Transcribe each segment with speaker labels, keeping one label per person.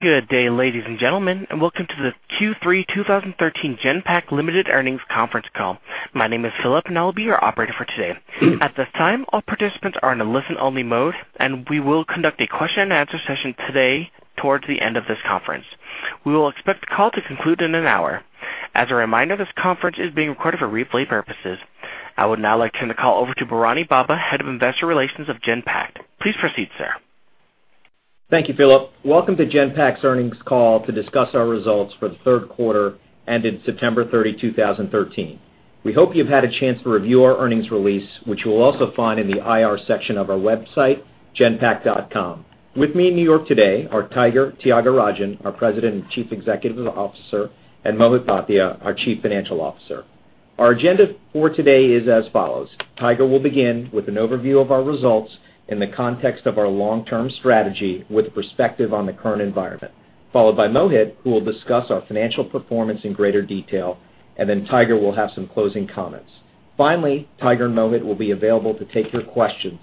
Speaker 1: Good day, ladies and gentlemen, and welcome to the Q3 2013 Genpact Limited earnings conference call. My name is Philip, and I'll be your operator for today. At this time, all participants are in a listen-only mode, and we will conduct a question and answer session today towards the end of this conference. We will expect the call to conclude in an hour. As a reminder, this conference is being recorded for replay purposes. I would now like to turn the call over to Bharani Bobba, Head of Investor Relations of Genpact. Please proceed, sir.
Speaker 2: Thank you, Philip. Welcome to Genpact's earnings call to discuss our results for the third quarter, ended September 30, 2013. We hope you've had a chance to review our earnings release, which you will also find in the IR section of our website, genpact.com. With me in New York today are Tiger Thyagarajan, our President and Chief Executive Officer, and Mohit Bhatia, our Chief Financial Officer. Our agenda for today is as follows: Tiger will begin with an overview of our results in the context of our long-term strategy with perspective on the current environment, followed by Mohit, who will discuss our financial performance in greater detail, and then Tiger will have some closing comments. Finally, Tiger and Mohit will be available to take your questions.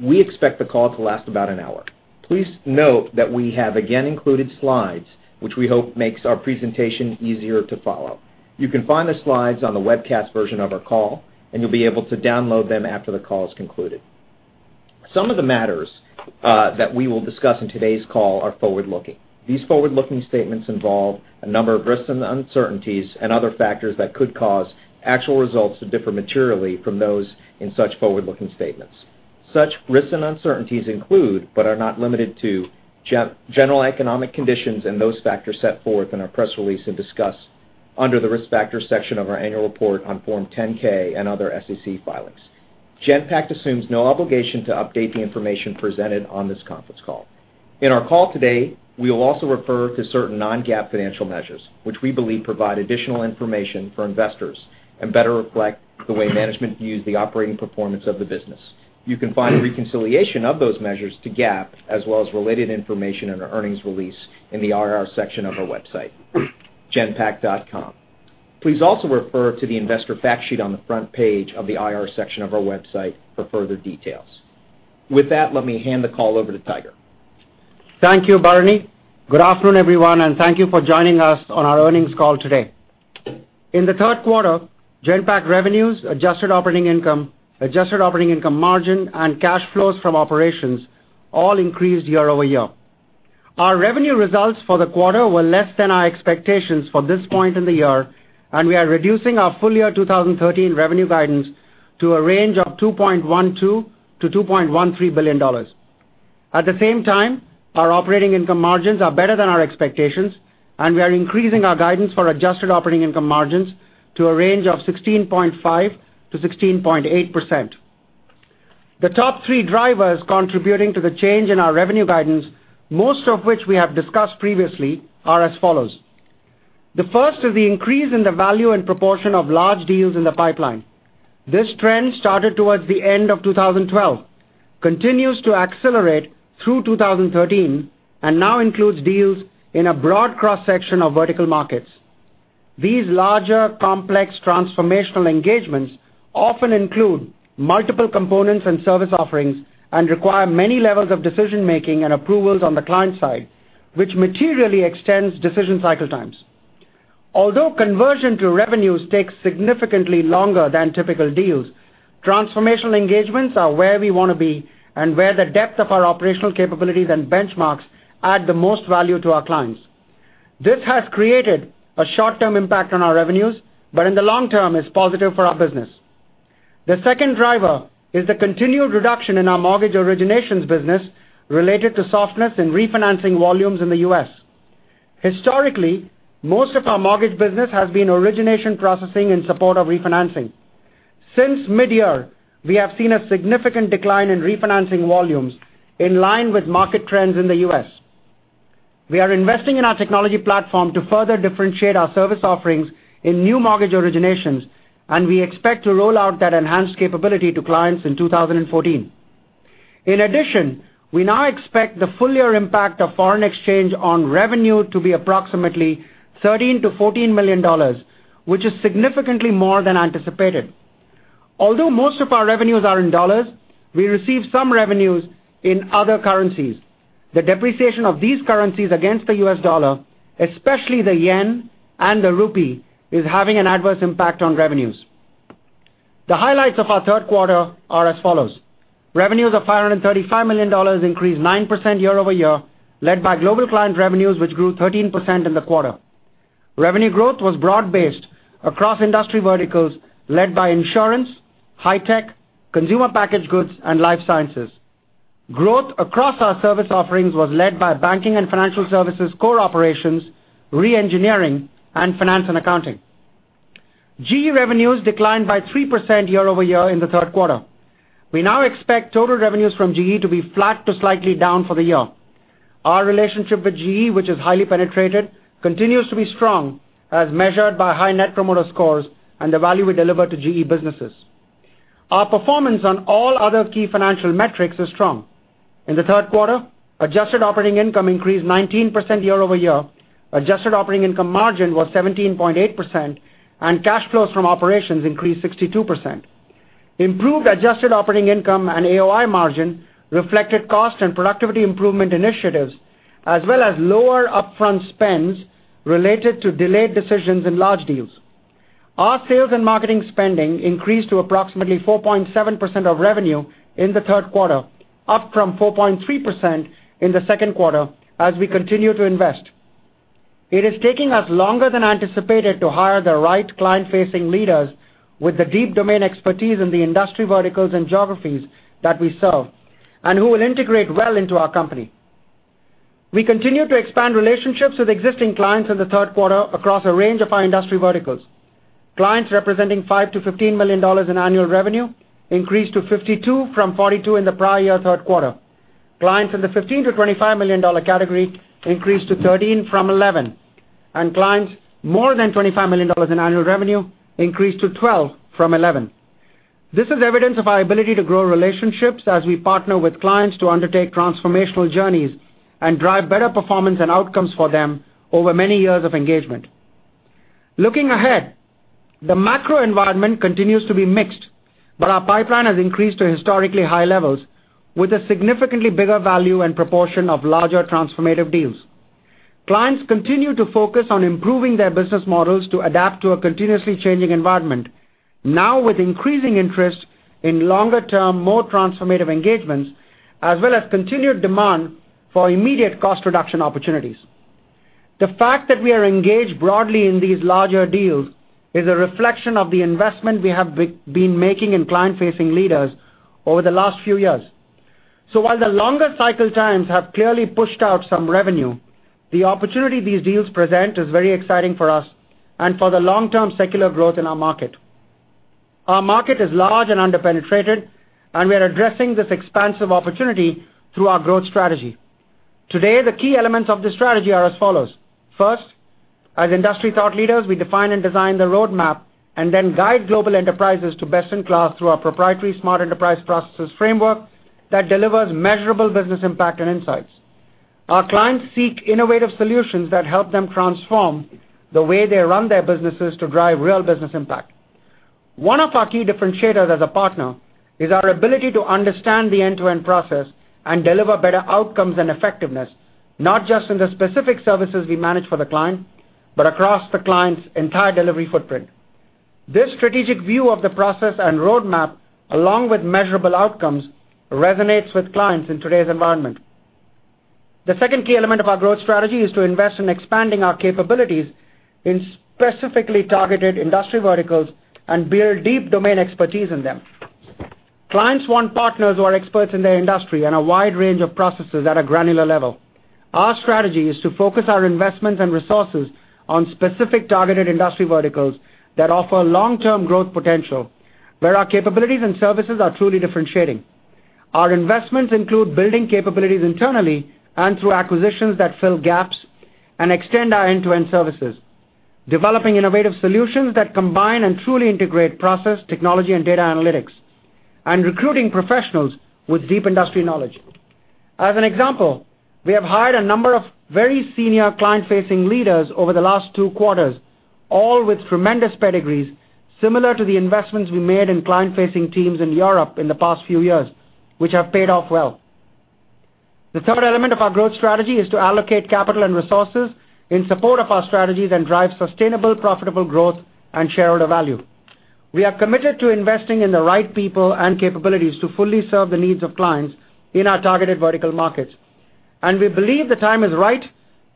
Speaker 2: We expect the call to last about an hour. Please note that we have again included slides, which we hope makes our presentation easier to follow. You can find the slides on the webcast version of our call, and you'll be able to download them after the call is concluded. Some of the matters that we will discuss in today's call are forward-looking. These forward-looking statements involve a number of risks and uncertainties and other factors that could cause actual results to differ materially from those in such forward-looking statements. Such risks and uncertainties include, but are not limited to, general economic conditions and those factors set forth in our press release and discussed under the Risk Factors section of our annual report on Form 10-K and other SEC filings. Genpact assumes no obligation to update the information presented on this conference call. In our call today, we will also refer to certain non-GAAP financial measures, which we believe provide additional information for investors and better reflect the way management views the operating performance of the business. You can find a reconciliation of those measures to GAAP as well as related information in our earnings release in the IR section of our website, genpact.com. Please also refer to the investor fact sheet on the front page of the IR section of our website for further details. With that, let me hand the call over to Tiger.
Speaker 3: Thank you, Bharani. Good afternoon, everyone, and thank you for joining us on our earnings call today. In the third quarter, Genpact revenues, adjusted operating income, adjusted operating income margin, and cash flows from operations all increased year-over-year. Our revenue results for the quarter were less than our expectations for this point in the year, we are reducing our full year 2013 revenue guidance to a range of $2.12 billion-$2.13 billion. At the same time, our operating income margins are better than our expectations, we are increasing our guidance for adjusted operating income margins to a range of 16.5%-16.8%. The top three drivers contributing to the change in our revenue guidance, most of which we have discussed previously, are as follows. The first is the increase in the value and proportion of large deals in the pipeline. This trend started towards the end of 2012, continues to accelerate through 2013, and now includes deals in a broad cross-section of vertical markets. These larger, complex transformational engagements often include multiple components and service offerings and require many levels of decision-making and approvals on the client side, which materially extends decision cycle times. Although conversion to revenues takes significantly longer than typical deals, transformational engagements are where we want to be and where the depth of our operational capabilities and benchmarks add the most value to our clients. This has created a short-term impact on our revenues, but in the long term, it is positive for our business. The second driver is the continued reduction in our mortgage originations business related to softness in refinancing volumes in the U.S. Historically, most of our mortgage business has been origination processing in support of refinancing. Since mid-year, we have seen a significant decline in refinancing volumes in line with market trends in the U.S. We are investing in our technology platform to further differentiate our service offerings in new mortgage originations, and we expect to roll out that enhanced capability to clients in 2014. In addition, we now expect the full year impact of foreign exchange on revenue to be approximately $13 million-$14 million, which is significantly more than anticipated. Although most of our revenues are in dollars, we receive some revenues in other currencies. The depreciation of these currencies against the US dollar, especially the JPY and the INR, is having an adverse impact on revenues. The highlights of our third quarter are as follows. Revenues of $535 million increased 9% year-over-year, led by global client revenues, which grew 13% in the quarter. Revenue growth was broad-based across industry verticals, led by insurance, high tech, consumer packaged goods, and life sciences. Growth across our service offerings was led by banking and financial services core operations, re-engineering, and finance and accounting. GE revenues declined by 3% year-over-year in the third quarter. We now expect total revenues from GE to be flat to slightly down for the year. Our relationship with GE, which is highly penetrated, continues to be strong, as measured by high net promoter scores and the value we deliver to GE businesses. Our performance on all other key financial metrics is strong. In the third quarter, adjusted operating income increased 19% year-over-year, adjusted operating income margin was 17.8%, and cash flows from operations increased 62%. Improved adjusted operating income and AOI margin reflected cost and productivity improvement initiatives, as well as lower upfront spends related to delayed decisions in large deals. Our sales and marketing spending increased to approximately 4.7% of revenue in the third quarter, up from 4.3% in the second quarter, as we continue to invest. It is taking us longer than anticipated to hire the right client-facing leaders with the deep domain expertise in the industry verticals and geographies that we serve, and who will integrate well into our company. We continued to expand relationships with existing clients in the third quarter across a range of our industry verticals. Clients representing $5 million-$15 million in annual revenue increased to 52 from 42 in the prior year third quarter. Clients in the $15 million-$25 million category increased to 13 from 11. Clients more than $25 million in annual revenue increased to 12 from 11. This is evidence of our ability to grow relationships as we partner with clients to undertake transformational journeys and drive better performance and outcomes for them over many years of engagement. Looking ahead, the macro environment continues to be mixed, but our pipeline has increased to historically high levels with a significantly bigger value and proportion of larger transformative deals. Clients continue to focus on improving their business models to adapt to a continuously changing environment, now with increasing interest in longer-term, more transformative engagements, as well as continued demand for immediate cost reduction opportunities. The fact that we are engaged broadly in these larger deals is a reflection of the investment we have been making in client-facing leaders over the last few years. While the longer cycle times have clearly pushed out some revenue, the opportunity these deals present is very exciting for us and for the long-term secular growth in our market. Our market is large and under-penetrated. We are addressing this expansive opportunity through our growth strategy. Today, the key elements of this strategy are as follows. First, as industry thought leaders, we define and design the roadmap and then guide global enterprises to best-in-class through our proprietary Smart Enterprise Processes framework that delivers measurable business impact and insights. Our clients seek innovative solutions that help them transform the way they run their businesses to drive real business impact. One of our key differentiators as a partner is our ability to understand the end-to-end process and deliver better outcomes and effectiveness, not just in the specific services we manage for the client, but across the client's entire delivery footprint. This strategic view of the process and roadmap, along with measurable outcomes, resonates with clients in today's environment. The second key element of our growth strategy is to invest in expanding our capabilities in specifically targeted industry verticals and build deep domain expertise in them. Clients want partners who are experts in their industry and a wide range of processes at a granular level. Our strategy is to focus our investments and resources on specific targeted industry verticals that offer long-term growth potential, where our capabilities and services are truly differentiating. Our investments include building capabilities internally and through acquisitions that fill gaps and extend our end-to-end services, developing innovative solutions that combine and truly integrate process, technology, and data analytics, and recruiting professionals with deep industry knowledge. As an example, we have hired a number of very senior client-facing leaders over the last two quarters, all with tremendous pedigrees, similar to the investments we made in client-facing teams in Europe in the past few years, which have paid off well. The third element of our growth strategy is to allocate capital and resources in support of our strategies and drive sustainable, profitable growth and shareholder value. We are committed to investing in the right people and capabilities to fully serve the needs of clients in our targeted vertical markets, and we believe the time is right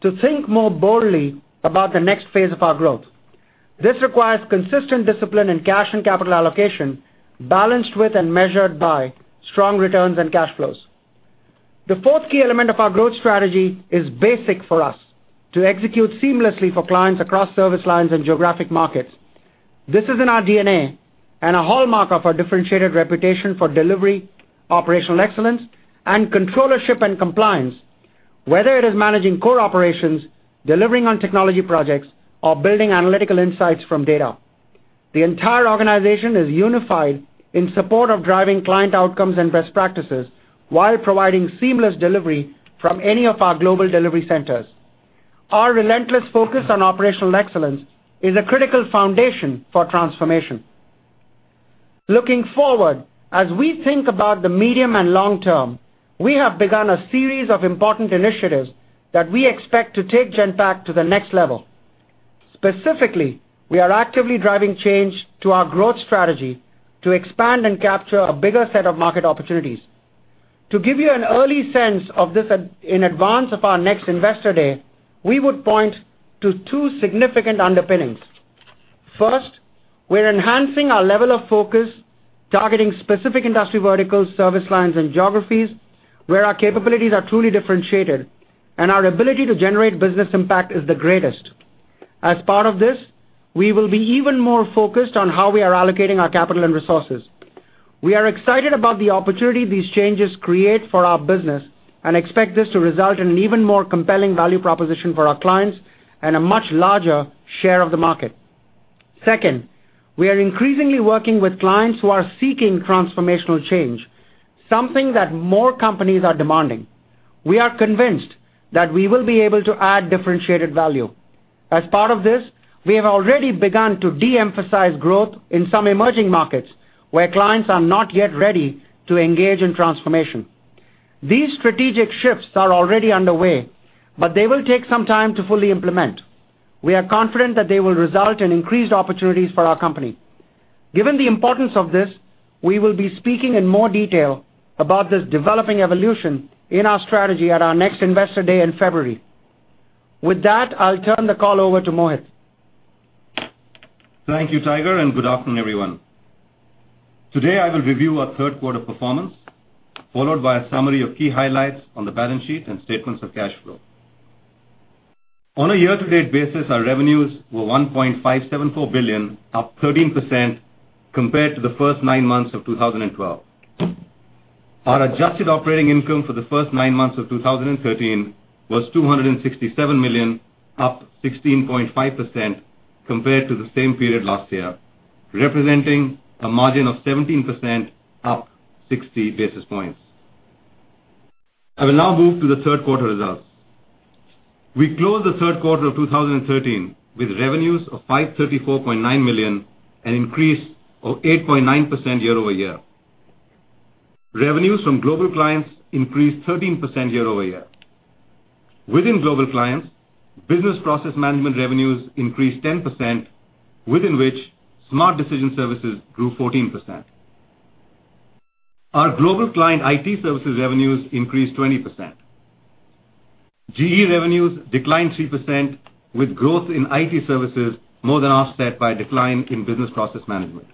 Speaker 3: to think more boldly about the next phase of our growth. This requires consistent discipline in cash and capital allocation, balanced with and measured by strong returns and cash flows. The fourth key element of our growth strategy is basic for us, to execute seamlessly for clients across service lines and geographic markets. This is in our DNA and a hallmark of our differentiated reputation for delivery, operational excellence, and controllership and compliance, whether it is managing core operations, delivering on technology projects, or building analytical insights from data. The entire organization is unified in support of driving client outcomes and best practices while providing seamless delivery from any of our global delivery centers. Our relentless focus on operational excellence is a critical foundation for transformation. Looking forward, as we think about the medium and long term, we have begun a series of important initiatives that we expect to take Genpact to the next level. Specifically, we are actively driving change to our growth strategy to expand and capture a bigger set of market opportunities. To give you an early sense of this in advance of our next Investor Day, we would point to two significant underpinnings. First, we're enhancing our level of focus, targeting specific industry verticals, service lines, and geographies where our capabilities are truly differentiated and our ability to generate business impact is the greatest. As part of this, we will be even more focused on how we are allocating our capital and resources. We are excited about the opportunity these changes create for our business and expect this to result in an even more compelling value proposition for our clients and a much larger share of the market. Second, we are increasingly working with clients who are seeking transformational change. Something that more companies are demanding. We are convinced that we will be able to add differentiated value. As part of this, we have already begun to de-emphasize growth in some emerging markets where clients are not yet ready to engage in transformation. These strategic shifts are already underway, but they will take some time to fully implement. We are confident that they will result in increased opportunities for our company. Given the importance of this, we will be speaking in more detail about this developing evolution in our strategy at our next Investor Day in February. With that, I'll turn the call over to Mohit.
Speaker 4: Thank you, Tiger, and good afternoon, everyone. Today, I will review our third quarter performance, followed by a summary of key highlights on the balance sheet and statements of cash flow. On a year-to-date basis, our revenues were $1.574 billion, up 13% compared to the first nine months of 2012. Our adjusted operating income for the first nine months of 2013 was $267 million, up 16.5% compared to the same period last year, representing a margin of 17%, up 60 basis points. I will now move to the third quarter results. We closed the third quarter of 2013 with revenues of $534.9 million, an increase of 8.9% year-over-year. Revenues from global clients increased 13% year-over-year. Within global clients, business process management revenues increased 10%, within which Smart Decision Services grew 14%. Our global client IT services revenues increased 20%. GE revenues declined 3%, with growth in IT services more than offset by a decline in business process management.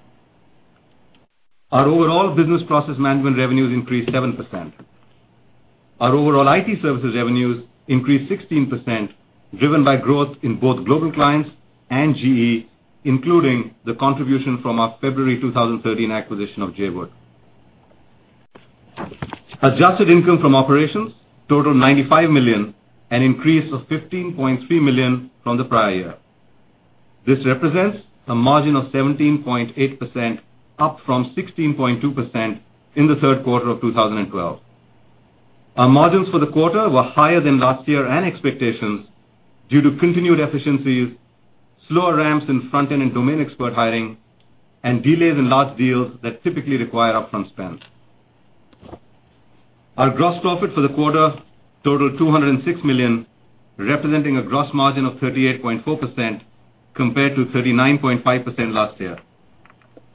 Speaker 4: Our overall business process management revenues increased 7%. Our overall IT services revenues increased 16%, driven by growth in both global clients and GE, including the contribution from our February 2013 acquisition of Jawood. Adjusted income from operations totaled $95 million, an increase of $15.3 million from the prior year. This represents a margin of 17.8%, up from 16.2% in the third quarter of 2012. Our margins for the quarter were higher than last year and expectations due to continued efficiencies, slower ramps in front-end and domain expert hiring, and delays in large deals that typically require upfront spend. Our gross profit for the quarter totaled $206 million, representing a gross margin of 38.4% compared to 39.5% last year.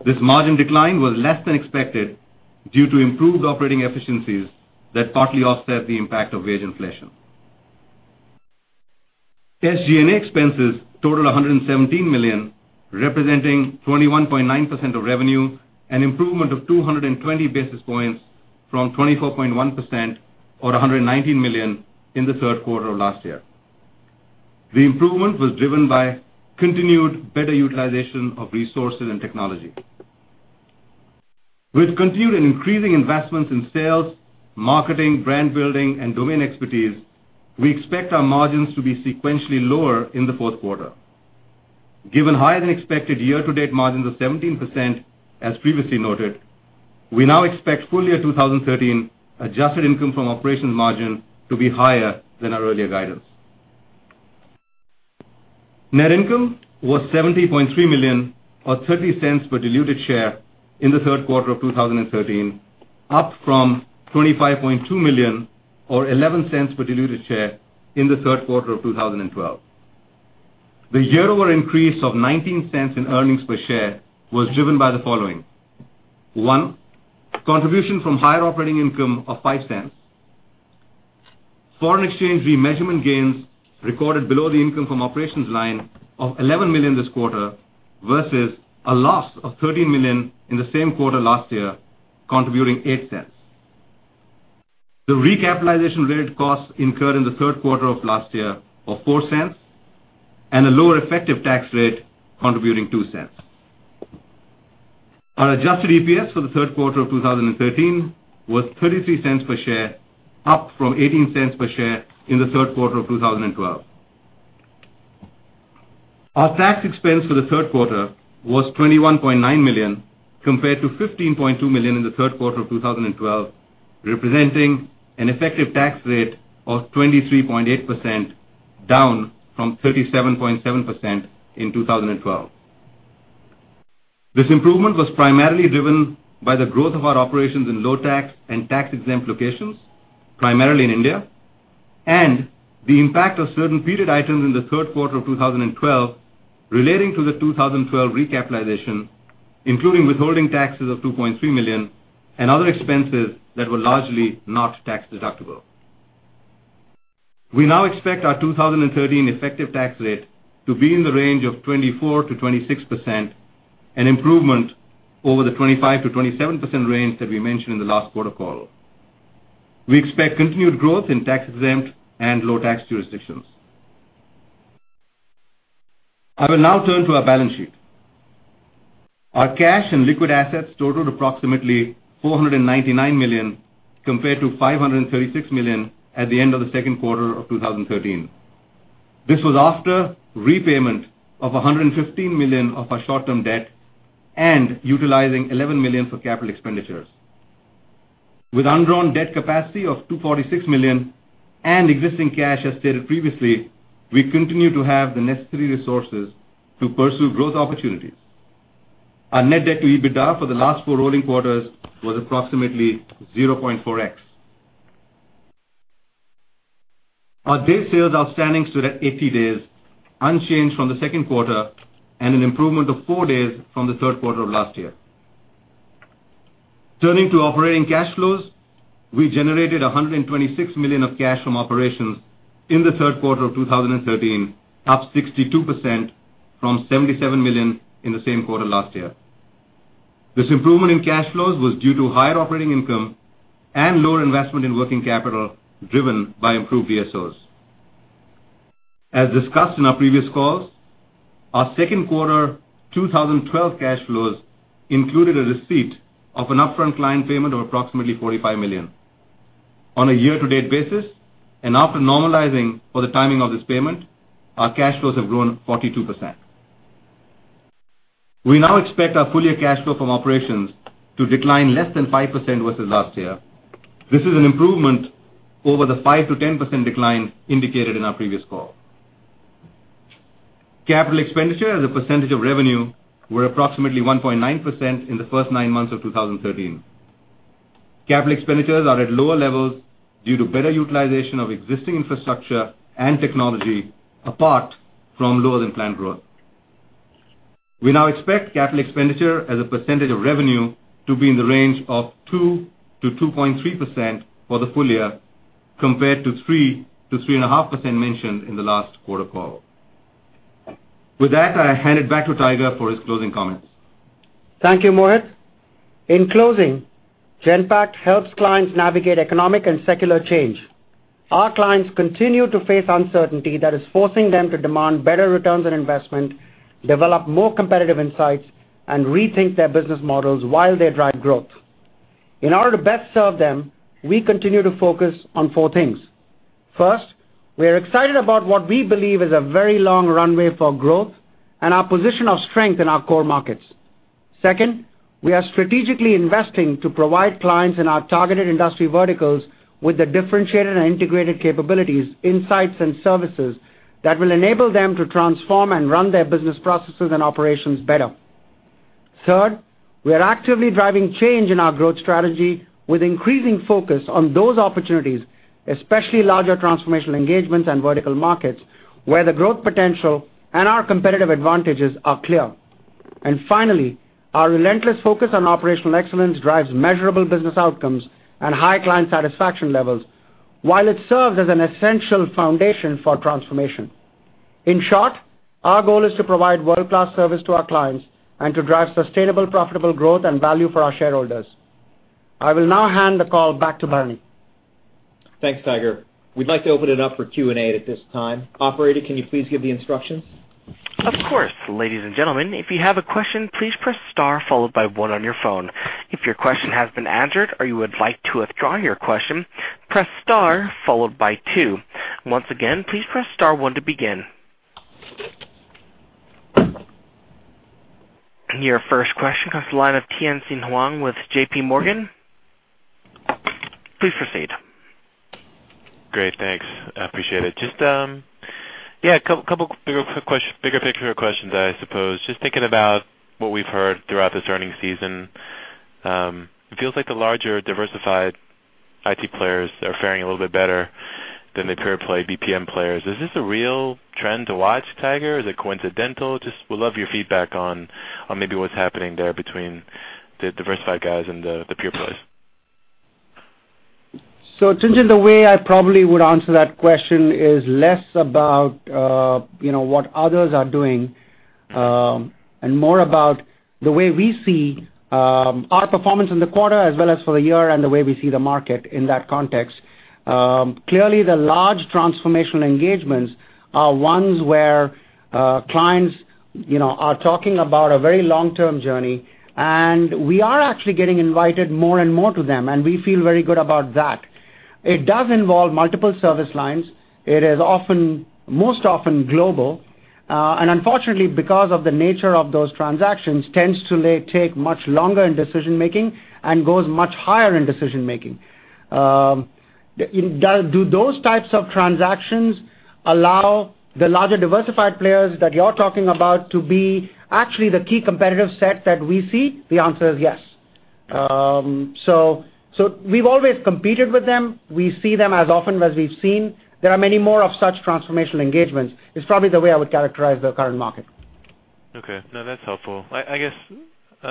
Speaker 4: This margin decline was less than expected due to improved operating efficiencies that partly offset the impact of wage inflation. SG&A expenses totaled $117 million, representing 21.9% of revenue, an improvement of 220 basis points from 24.1%, or $119 million in the third quarter of last year. The improvement was driven by continued better utilization of resources and technology. With continued and increasing investments in sales, marketing, brand building, and domain expertise, we expect our margins to be sequentially lower in the fourth quarter. Given higher-than-expected year-to-date margins of 17%, as previously noted, we now expect full-year 2013 adjusted income from operations margin to be higher than our earlier guidance. Net income was $70.3 million, or $0.30 per diluted share in the third quarter of 2013, up from $25.2 million or $0.11 per diluted share in the third quarter of 2012. The year-over increase of $0.19 in earnings per share was driven by the following. One, contribution from higher operating income of $0.05. Foreign exchange remeasurement gains recorded below the income from operations line of $11 million this quarter, versus a loss of $13 million in the same quarter last year, contributing $0.08. The recapitalization-related costs incurred in the third quarter of last year of $0.04, and a lower effective tax rate contributing $0.02. Our adjusted EPS for the third quarter of 2013 was $0.33 per share, up from $0.18 per share in the third quarter of 2012. Our tax expense for the third quarter was $21.9 million, compared to $15.2 million in the third quarter of 2012, representing an effective tax rate of 23.8%, down from 37.7% in 2012. This improvement was primarily driven by the growth of our operations in low-tax and tax-exempt locations, primarily in India, and the impact of certain period items in the third quarter of 2012 relating to the 2012 recapitalization, including withholding taxes of $2.3 million and other expenses that were largely not tax-deductible. We now expect our 2013 effective tax rate to be in the range of 24%-26%, an improvement over the 25%-27% range that we mentioned in the last quarter call. We expect continued growth in tax-exempt and low-tax jurisdictions. I will now turn to our balance sheet. Our cash and liquid assets totaled approximately $499 million, compared to $536 million at the end of the second quarter of 2013. This was after repayment of $115 million of our short-term debt and utilizing $11 million for capital expenditures. With undrawn debt capacity of $246 million and existing cash, as stated previously, we continue to have the necessary resources to pursue growth opportunities. Our net debt to EBITDA for the last four rolling quarters was approximately 0.4x. Our day sales outstanding stood at 80 days, unchanged from the second quarter, and an improvement of four days from the third quarter of last year. Turning to operating cash flows, we generated $126 million of cash from operations in the third quarter of 2013, up 62% from $77 million in the same quarter last year. This improvement in cash flows was due to higher operating income and lower investment in working capital, driven by improved DSOs. As discussed in our previous calls, our second quarter 2012 cash flows included a receipt of an upfront client payment of approximately $45 million. On a year-to-date basis, after normalizing for the timing of this payment, our cash flows have grown 42%. We now expect our full year cash flow from operations to decline less than 5% versus last year. This is an improvement over the 5%-10% decline indicated in our previous call. Capital expenditure as a percentage of revenue were approximately 1.9% in the first nine months of 2013. Capital expenditures are at lower levels due to better utilization of existing infrastructure and technology, apart from lower than planned growth. We now expect capital expenditure as a percentage of revenue to be in the range of 2%-2.3% for the full year, compared to 3%-3.5% mentioned in the last quarter call. With that, I hand it back to Tiger for his closing comments.
Speaker 3: Thank you, Mohit. In closing, Genpact helps clients navigate economic and secular change. Our clients continue to face uncertainty that is forcing them to demand better returns on investment, develop more competitive insights, and rethink their business models while they drive growth. In order to best serve them, we continue to focus on four things. First, we are excited about what we believe is a very long runway for growth and our position of strength in our core markets. Second, we are strategically investing to provide clients in our targeted industry verticals with the differentiated and integrated capabilities, insights, and services that will enable them to transform and run their business processes and operations better. Third, we are actively driving change in our growth strategy with increasing focus on those opportunities, especially larger transformational engagements and vertical markets, where the growth potential and our competitive advantages are clear. Finally, our relentless focus on operational excellence drives measurable business outcomes and high client satisfaction levels, while it serves as an essential foundation for transformation. In short, our goal is to provide world-class service to our clients and to drive sustainable, profitable growth and value for our shareholders. I will now hand the call back to Bharani.
Speaker 2: Thanks, Tyagarajan. We'd like to open it up for Q&A at this time. Operator, can you please give the instructions?
Speaker 1: Of course. Ladies and gentlemen, if you have a question, please press star followed by one on your phone. If your question has been answered or you would like to withdraw your question, press star followed by two. Once again, please press star one to begin. Your first question comes the line of Tien-Tsin Huang with JPMorgan. Please proceed.
Speaker 5: Great. Thanks. I appreciate it. Just, yeah, couple bigger picture questions, I suppose. Just thinking about what we've heard throughout this earnings season, it feels like the larger diversified IT players are fairing a little bit better than the pure play BPM players. Is this a real trend to watch, Tyagarajan, or is it coincidental? Just would love your feedback on maybe what's happening there between the diversified guys and the pure plays.
Speaker 3: Tien-Tsin, the way I probably would answer that question is less about what others are doing, and more about the way we see our performance in the quarter as well as for the year and the way we see the market in that context. Clearly, the large transformational engagements are ones where clients are talking about a very long-term journey, and we are actually getting invited more and more to them, and we feel very good about that. It does involve multiple service lines. It is most often global. Unfortunately, because of the nature of those transactions, tends to take much longer in decision-making and goes much higher in decision-making. Do those types of transactions allow the larger diversified players that you're talking about to be actually the key competitive set that we see? The answer is yes. We've always competed with them. We see them as often as we've seen. There are many more of such transformational engagements, is probably the way I would characterize the current market.
Speaker 5: Okay. No, that's helpful. I guess,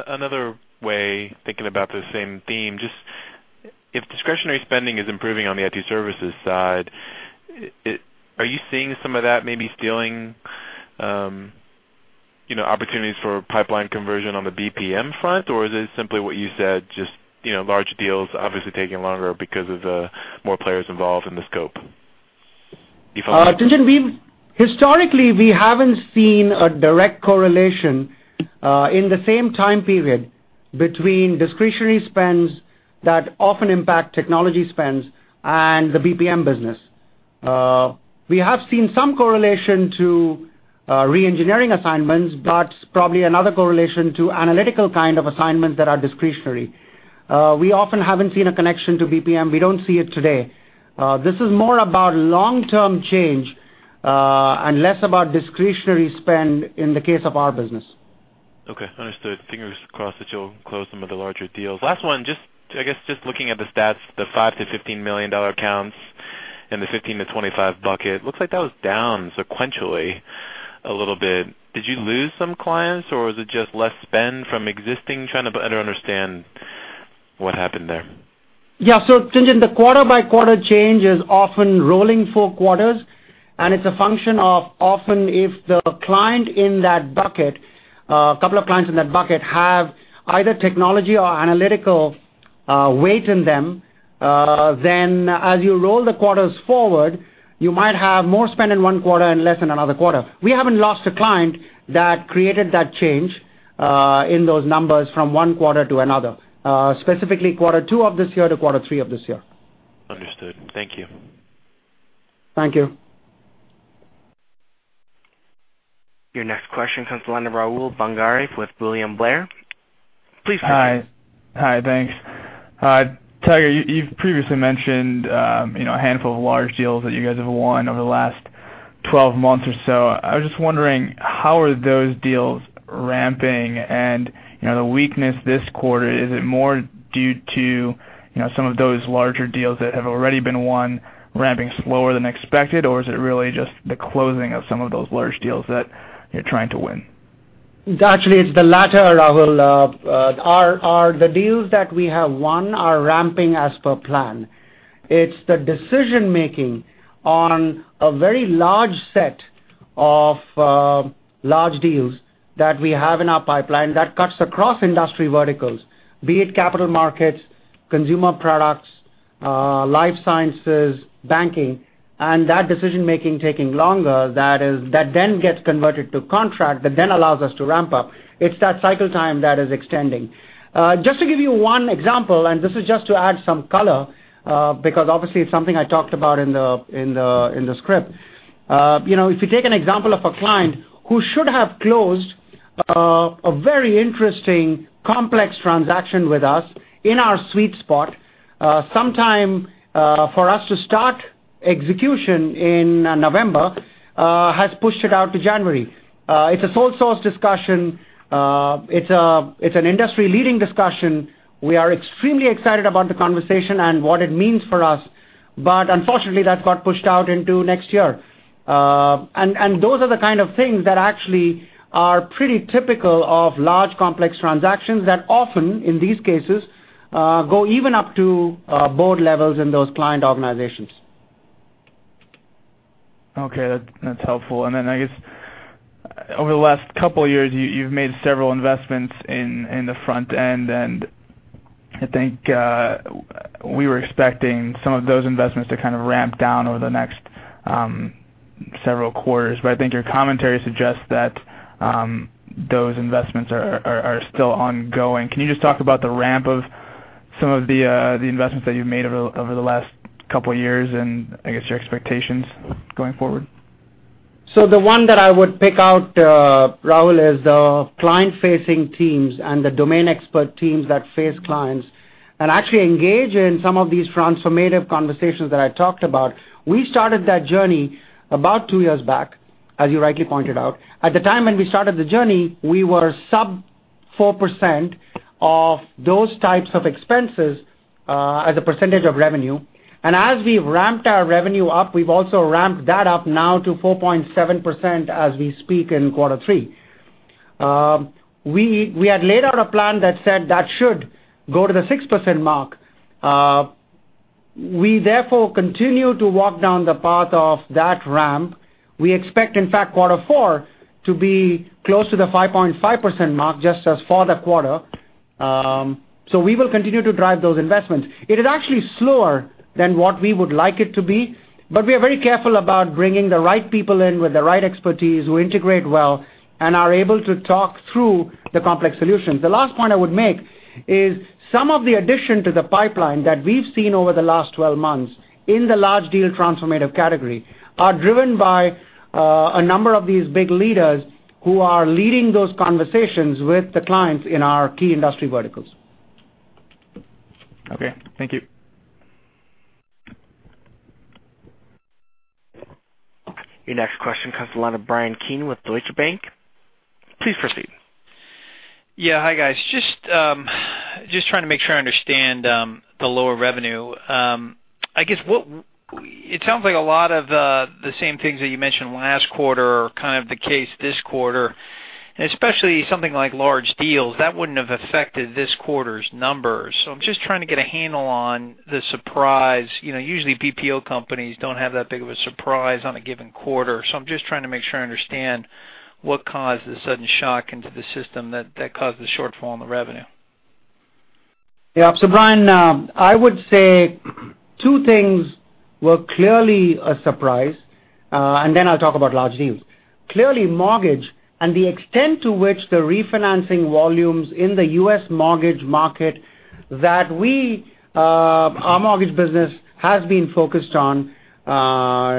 Speaker 5: another way, thinking about the same theme, just if discretionary spending is improving on the IT services side, are you seeing some of that maybe stealing opportunities for pipeline conversion on the BPM front? Is it simply what you said, just large deals obviously taking longer because of the more players involved in the scope?
Speaker 3: Tien-Tsin, historically, we haven't seen a direct correlation in the same time period between discretionary spends that often impact technology spends and the BPM business. We have seen some correlation to re-engineering assignments, but probably another correlation to analytical kind of assignments that are discretionary. We often haven't seen a connection to BPM. We don't see it today. This is more about long-term change, and less about discretionary spend in the case of our business.
Speaker 5: Okay, understood. Fingers crossed that you'll close some of the larger deals. Last one, I guess just looking at the stats, the $5 million-$15 million accounts and the 15-25 bucket. Looks like that was down sequentially a little bit. Did you lose some clients, or was it just less spend from existing? Trying to better understand what happened there.
Speaker 3: Yeah. Tien-Tsin, the quarter-by-quarter change is often rolling four quarters, and it's a function of often if the client in that bucket, a couple of clients in that bucket have either technology or analytical weight in them, then as you roll the quarters forward, you might have more spend in one quarter and less in another quarter. We haven't lost a client that created that change, in those numbers from one quarter to another, specifically quarter two of this year to quarter three of this year.
Speaker 5: Understood. Thank you.
Speaker 3: Thank you.
Speaker 1: Your next question comes the line of Rahul Bhangare with William Blair. Please proceed.
Speaker 6: Hi. Thanks. Tiger, you've previously mentioned a handful of large deals that you guys have won over the last 12 months or so. I was just wondering, how are those deals ramping and the weakness this quarter, is it more due to some of those larger deals that have already been won ramping slower than expected, or is it really just the closing of some of those large deals that you're trying to win?
Speaker 3: Actually, it's the latter, Rahul. The deals that we have won are ramping as per plan. It's the decision-making on a very large set of large deals that we have in our pipeline that cuts across industry verticals, be it capital markets, consumer products, life sciences, banking, and that decision-making taking longer, that then gets converted to contract, that then allows us to ramp up. It's that cycle time that is extending. Just to give you one example, this is just to add some color, because obviously it's something I talked about in the script. If you take an example of a client who should have closed a very interesting complex transaction with us in our sweet spot, sometime, for us to start execution in November, has pushed it out to January. It's a sole source discussion. It's an industry-leading discussion. We are extremely excited about the conversation and what it means for us. Unfortunately, that got pushed out into next year. Those are the kind of things that actually are pretty typical of large, complex transactions that often, in these cases, go even up to board levels in those client organizations.
Speaker 6: Okay. That's helpful. I guess over the last couple of years, you've made several investments in the front end, and I think we were expecting some of those investments to kind of ramp down over the next several quarters. I think your commentary suggests that those investments are still ongoing. Can you just talk about the ramp of some of the investments that you've made over the last couple of years and, I guess, your expectations going forward?
Speaker 3: The one that I would pick out, Rahul, is the client-facing teams and the domain expert teams that face clients and actually engage in some of these transformative conversations that I talked about. We started that journey about two years back, as you rightly pointed out. At the time when we started the journey, we were sub 4% of those types of expenses, as a percentage of revenue. As we've ramped our revenue up, we've also ramped that up now to 4.7% as we speak in quarter three. We had laid out a plan that said that should go to the 6% mark. We therefore continue to walk down the path of that ramp. We expect, in fact, quarter four to be close to the 5.5% mark just as for the quarter. We will continue to drive those investments. It is actually slower than what we would like it to be, we are very careful about bringing the right people in with the right expertise who integrate well and are able to talk through the complex solutions. The last point I would make is some of the addition to the pipeline that we've seen over the last 12 months in the large deal transformative category are driven by a number of these big leaders who are leading those conversations with the clients in our key industry verticals.
Speaker 6: Okay. Thank you.
Speaker 1: Your next question comes the line of Bryan Keane with Deutsche Bank. Please proceed.
Speaker 7: Yeah. Hi, guys. Just trying to make sure I understand the lower revenue. I guess, it sounds like a lot of the same things that you mentioned last quarter are kind of the case this quarter, especially something like large deals. That wouldn't have affected this quarter's numbers. I'm just trying to get a handle on the surprise. Usually BPO companies don't have that big of a surprise on a given quarter. I'm just trying to make sure I understand what caused the sudden shock into the system that caused the shortfall in the revenue.
Speaker 3: Yeah. Bryan, I would say two things were clearly a surprise, then I'll talk about large deals. Clearly, mortgage and the extent to which the refinancing volumes in the U.S. mortgage market that our mortgage business has been focused on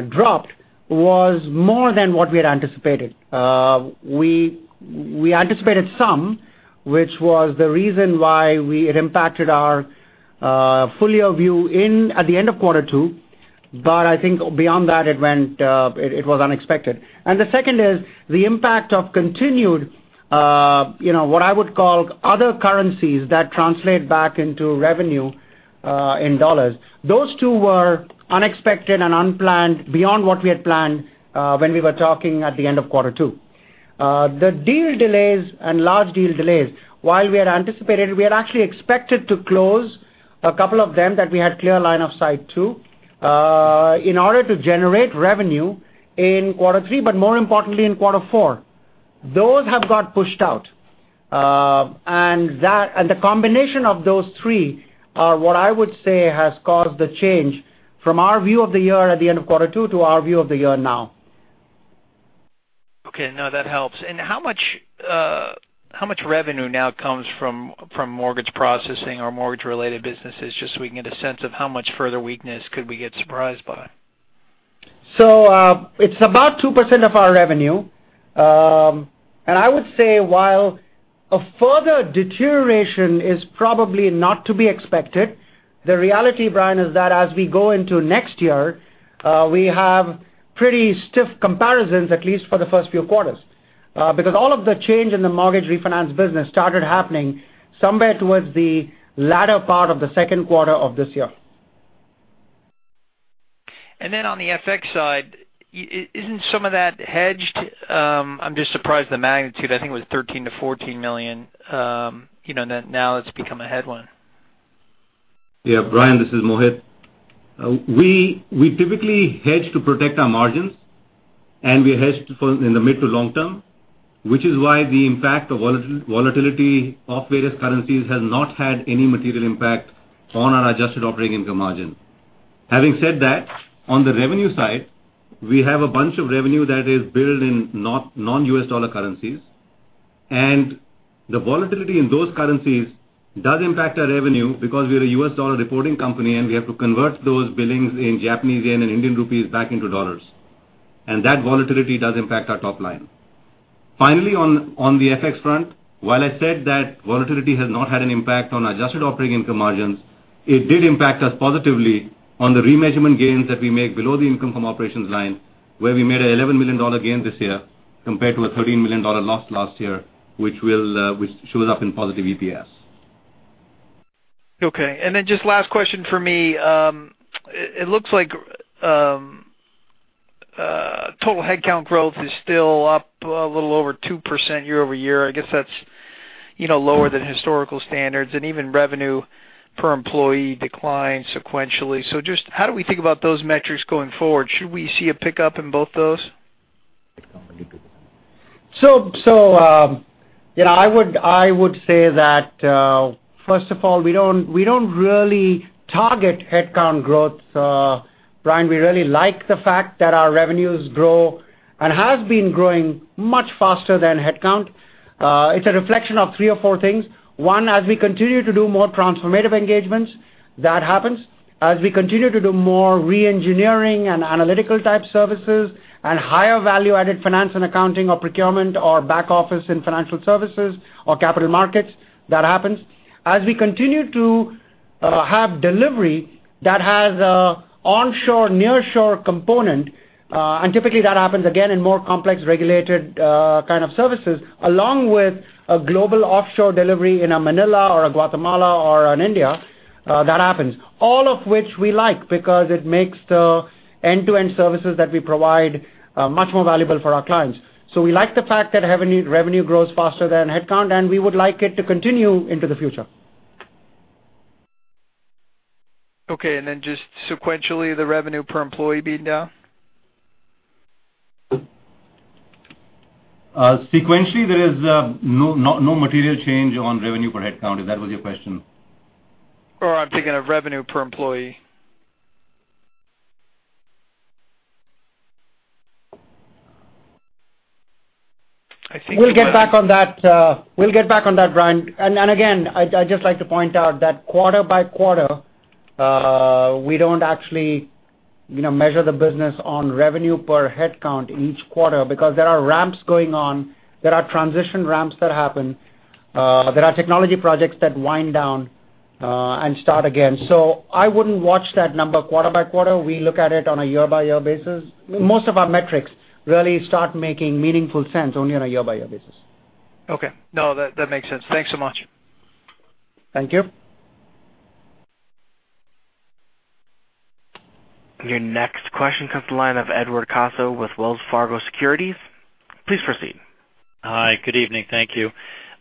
Speaker 3: dropped, was more than what we had anticipated. We anticipated some, which was the reason why it impacted our full year view at the end of quarter two, I think beyond that, it was unexpected. The second is the impact of continued, what I would call other currencies that translate back into revenue in dollars. Those two were unexpected and unplanned beyond what we had planned when we were talking at the end of quarter two. The deal delays and large deal delays, while we had anticipated, we had actually expected to close a couple of them that we had clear line of sight to, in order to generate revenue in quarter three, more importantly, in quarter four. Those have got pushed out. The combination of those three are what I would say has caused the change from our view of the year at the end of quarter two to our view of the year now.
Speaker 7: No, that helps. How much revenue now comes from mortgage processing or mortgage-related businesses, just so we can get a sense of how much further weakness could we get surprised by?
Speaker 3: It's about 2% of our revenue. I would say while a further deterioration is probably not to be expected, the reality, Bryan, is that as we go into next year, we have pretty stiff comparisons, at least for the first few quarters. All of the change in the mortgage refinance business started happening somewhere towards the latter part of the second quarter of this year.
Speaker 7: On the FX side, isn't some of that hedged? I'm just surprised the magnitude, I think it was $13 million-$14 million, now it's become a headline.
Speaker 4: Yeah, Bryan, this is Mohit. We typically hedge to protect our margins. We hedge in the mid to long term, which is why the impact of volatility of various currencies has not had any material impact on our adjusted operating income margin. Having said that, on the revenue side, we have a bunch of revenue that is billed in non-U.S. dollar currencies. The volatility in those currencies does impact our revenue because we are a U.S. dollar reporting company, and we have to convert those billings in Japanese yen and Indian rupees back into dollars. That volatility does impact our top line. On the FX front, while I said that volatility has not had an impact on adjusted operating income margins, it did impact us positively on the remeasurement gains that we make below the income from operations line, where we made a $11 million gain this year compared to a $13 million loss last year, which shows up in positive EPS.
Speaker 7: Okay. Just last question for me. It looks like total headcount growth is still up a little over 2% year-over-year. I guess that's lower than historical standards, and even revenue per employee declined sequentially. Just how do we think about those metrics going forward? Should we see a pickup in both those?
Speaker 3: I would say that, first of all, we don't really target headcount growth, Bryan. We really like the fact that our revenues grow and has been growing much faster than headcount. It's a reflection of three or four things. One, as we continue to do more transformative engagements, that happens. As we continue to do more re-engineering and analytical type services and higher value-added finance and accounting or procurement or back office and financial services or capital markets, that happens. As we continue to have delivery that has an onshore, nearshore component, and typically that happens again in more complex regulated kind of services, along with a global offshore delivery in a Manila or a Guatemala or an India, that happens. All of which we like because it makes the end-to-end services that we provide much more valuable for our clients. We like the fact that revenue grows faster than headcount, and we would like it to continue into the future.
Speaker 7: Okay, just sequentially, the revenue per employee being down?
Speaker 4: Sequentially, there is no material change on revenue per headcount, if that was your question.
Speaker 7: I'm thinking of revenue per employee.
Speaker 3: We'll get back on that, Bryan. Again, I'd just like to point out that quarter by quarter, we don't actually measure the business on revenue per headcount each quarter because there are ramps going on. There are transition ramps that happen. There are technology projects that wind down and start again. I wouldn't watch that number quarter by quarter. We look at it on a year-by-year basis. Most of our metrics really start making meaningful sense only on a year-by-year basis.
Speaker 7: Okay. No, that makes sense. Thanks so much.
Speaker 3: Thank you.
Speaker 1: Your next question comes to the line of Edward Caso with Wells Fargo Securities. Please proceed.
Speaker 8: Hi, good evening. Thank you.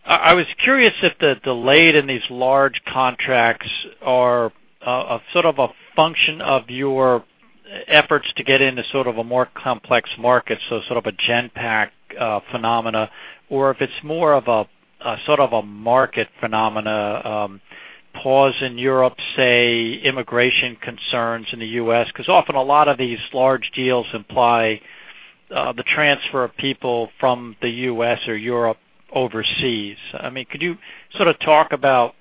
Speaker 8: I was curious if the delay in these large contracts are a function of your efforts to get into a more complex market, so sort of a Genpact phenomena, or if it's more of a market phenomena, pause in Europe, say immigration concerns in the U.S., because often a lot of these large deals imply, the transfer of people from the U.S. or Europe overseas. Could you talk about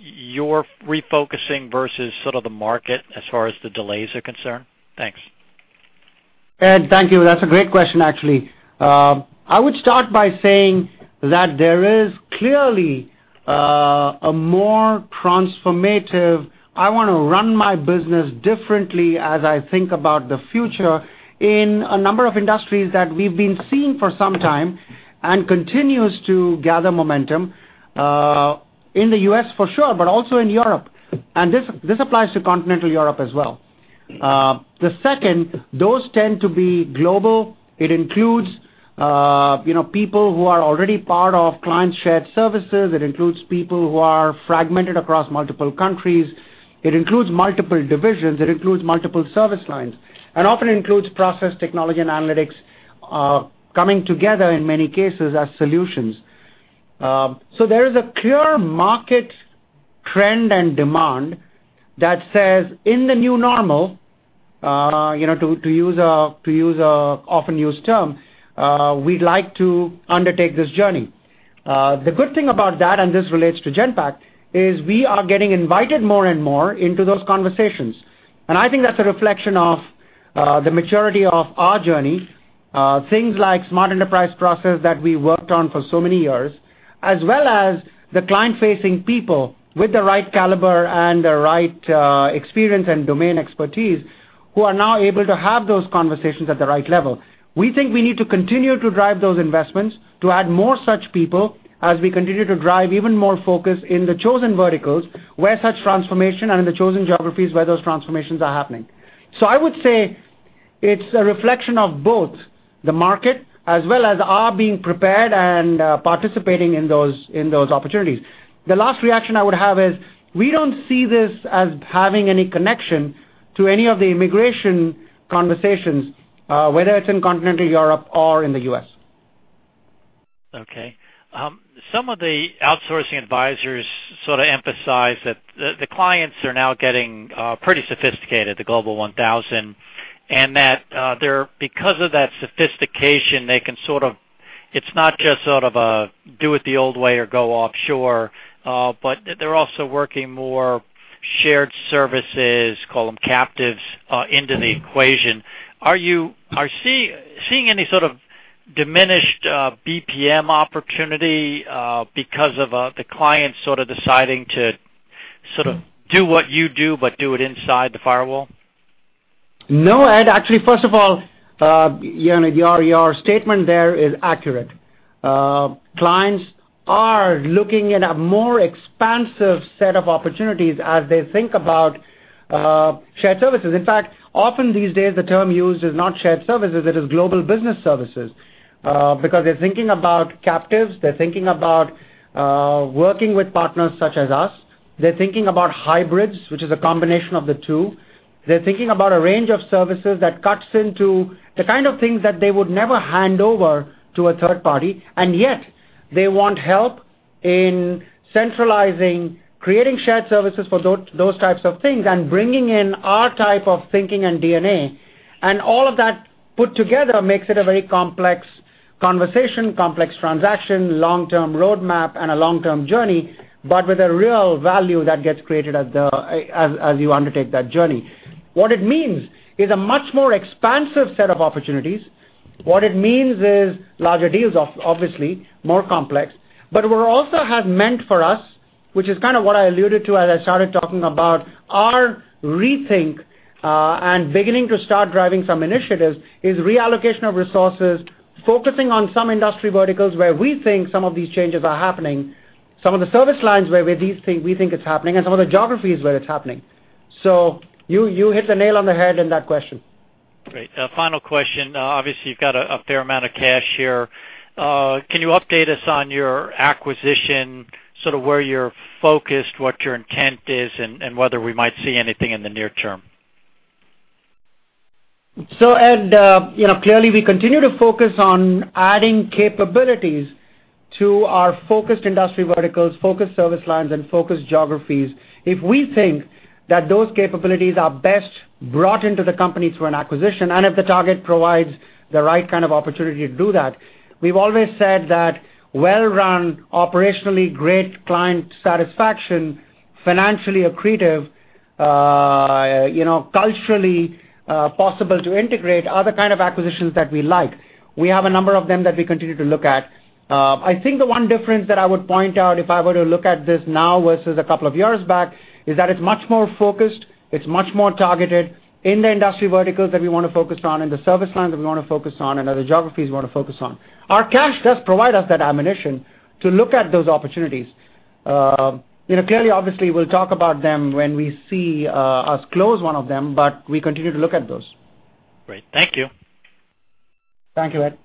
Speaker 8: your refocusing versus the market as far as the delays are concerned? Thanks.
Speaker 3: Ed, thank you. That's a great question actually. I would start by saying that there is clearly a more transformative, I want to run my business differently as I think about the future in a number of industries that we've been seeing for some time and continues to gather momentum, in the U.S. for sure, but also in Europe. This applies to continental Europe as well. The second, those tend to be global. It includes people who are already part of client shared services. It includes people who are fragmented across multiple countries. It includes multiple divisions. It includes multiple service lines, and often includes process technology and analytics, coming together in many cases as solutions. There is a clear market trend and demand that says in the new normal, to use a often used term, we'd like to undertake this journey. The good thing about that, this relates to Genpact, is we are getting invited more and more into those conversations. I think that's a reflection of the maturity of our journey. Things like Smart Enterprise Processes that we worked on for so many years, as well as the client-facing people with the right caliber and the right experience and domain expertise who are now able to have those conversations at the right level. We think we need to continue to drive those investments to add more such people as we continue to drive even more focus in the chosen verticals where such transformation and in the chosen geographies where those transformations are happening. I would say it's a reflection of both the market as well as our being prepared and participating in those opportunities. The last reaction I would have is we don't see this as having any connection to any of the immigration conversations, whether it's in continental Europe or in the U.S.
Speaker 8: Okay. Some of the outsourcing advisors emphasize that the clients are now getting pretty sophisticated, the Global 1000, and that because of that sophistication, it's not just do it the old way or go offshore, but they're also working more shared services, call them captives, into the equation. Are you seeing any sort of diminished BPM opportunity because of the client deciding to do what you do but do it inside the firewall?
Speaker 3: No, Ed, actually, first of all, your statement there is accurate. Clients are looking at a more expansive set of opportunities as they think about shared services. In fact, often these days, the term used is not shared services, it is global business services. They're thinking about captives. They're thinking about working with partners such as us. They're thinking about hybrids, which is a combination of the two. They're thinking about a range of services that cuts into the kind of things that they would never hand over to a third party, and yet they want help in centralizing, creating shared services for those types of things, and bringing in our type of thinking and DNA. All of that put together makes it a very complex conversation, complex transaction, long-term roadmap, and a long-term journey, but with a real value that gets created as you undertake that journey. What it means is a much more expansive set of opportunities. What it means is larger deals, obviously, more complex. What also has meant for us, which is kind of what I alluded to as I started talking about our rethink, and beginning to start driving some initiatives, is reallocation of resources, focusing on some industry verticals where we think some of these changes are happening, some of the service lines where we think it's happening, and some of the geographies where it's happening. You hit the nail on the head in that question.
Speaker 8: Great. Final question. Obviously, you've got a fair amount of cash here. Can you update us on your acquisition, where you're focused, what your intent is, and whether we might see anything in the near term?
Speaker 3: Ed, clearly we continue to focus on adding capabilities to our focused industry verticals, focused service lines, and focused geographies. If we think that those capabilities are best brought into the company through an acquisition, and if the target provides the right kind of opportunity to do that, we've always said that well-run, operationally great client satisfaction, financially accretive, culturally possible to integrate are the kind of acquisitions that we like. We have a number of them that we continue to look at. I think the one difference that I would point out if I were to look at this now versus a couple of years back is that it's much more focused, it's much more targeted in the industry verticals that we want to focus on, in the service lines that we want to focus on, and other geographies we want to focus on. Our cash does provide us that ammunition to look at those opportunities. Clearly, obviously, we'll talk about them when we see us close one of them, but we continue to look at those.
Speaker 8: Great. Thank you.
Speaker 3: Thank you, Ed.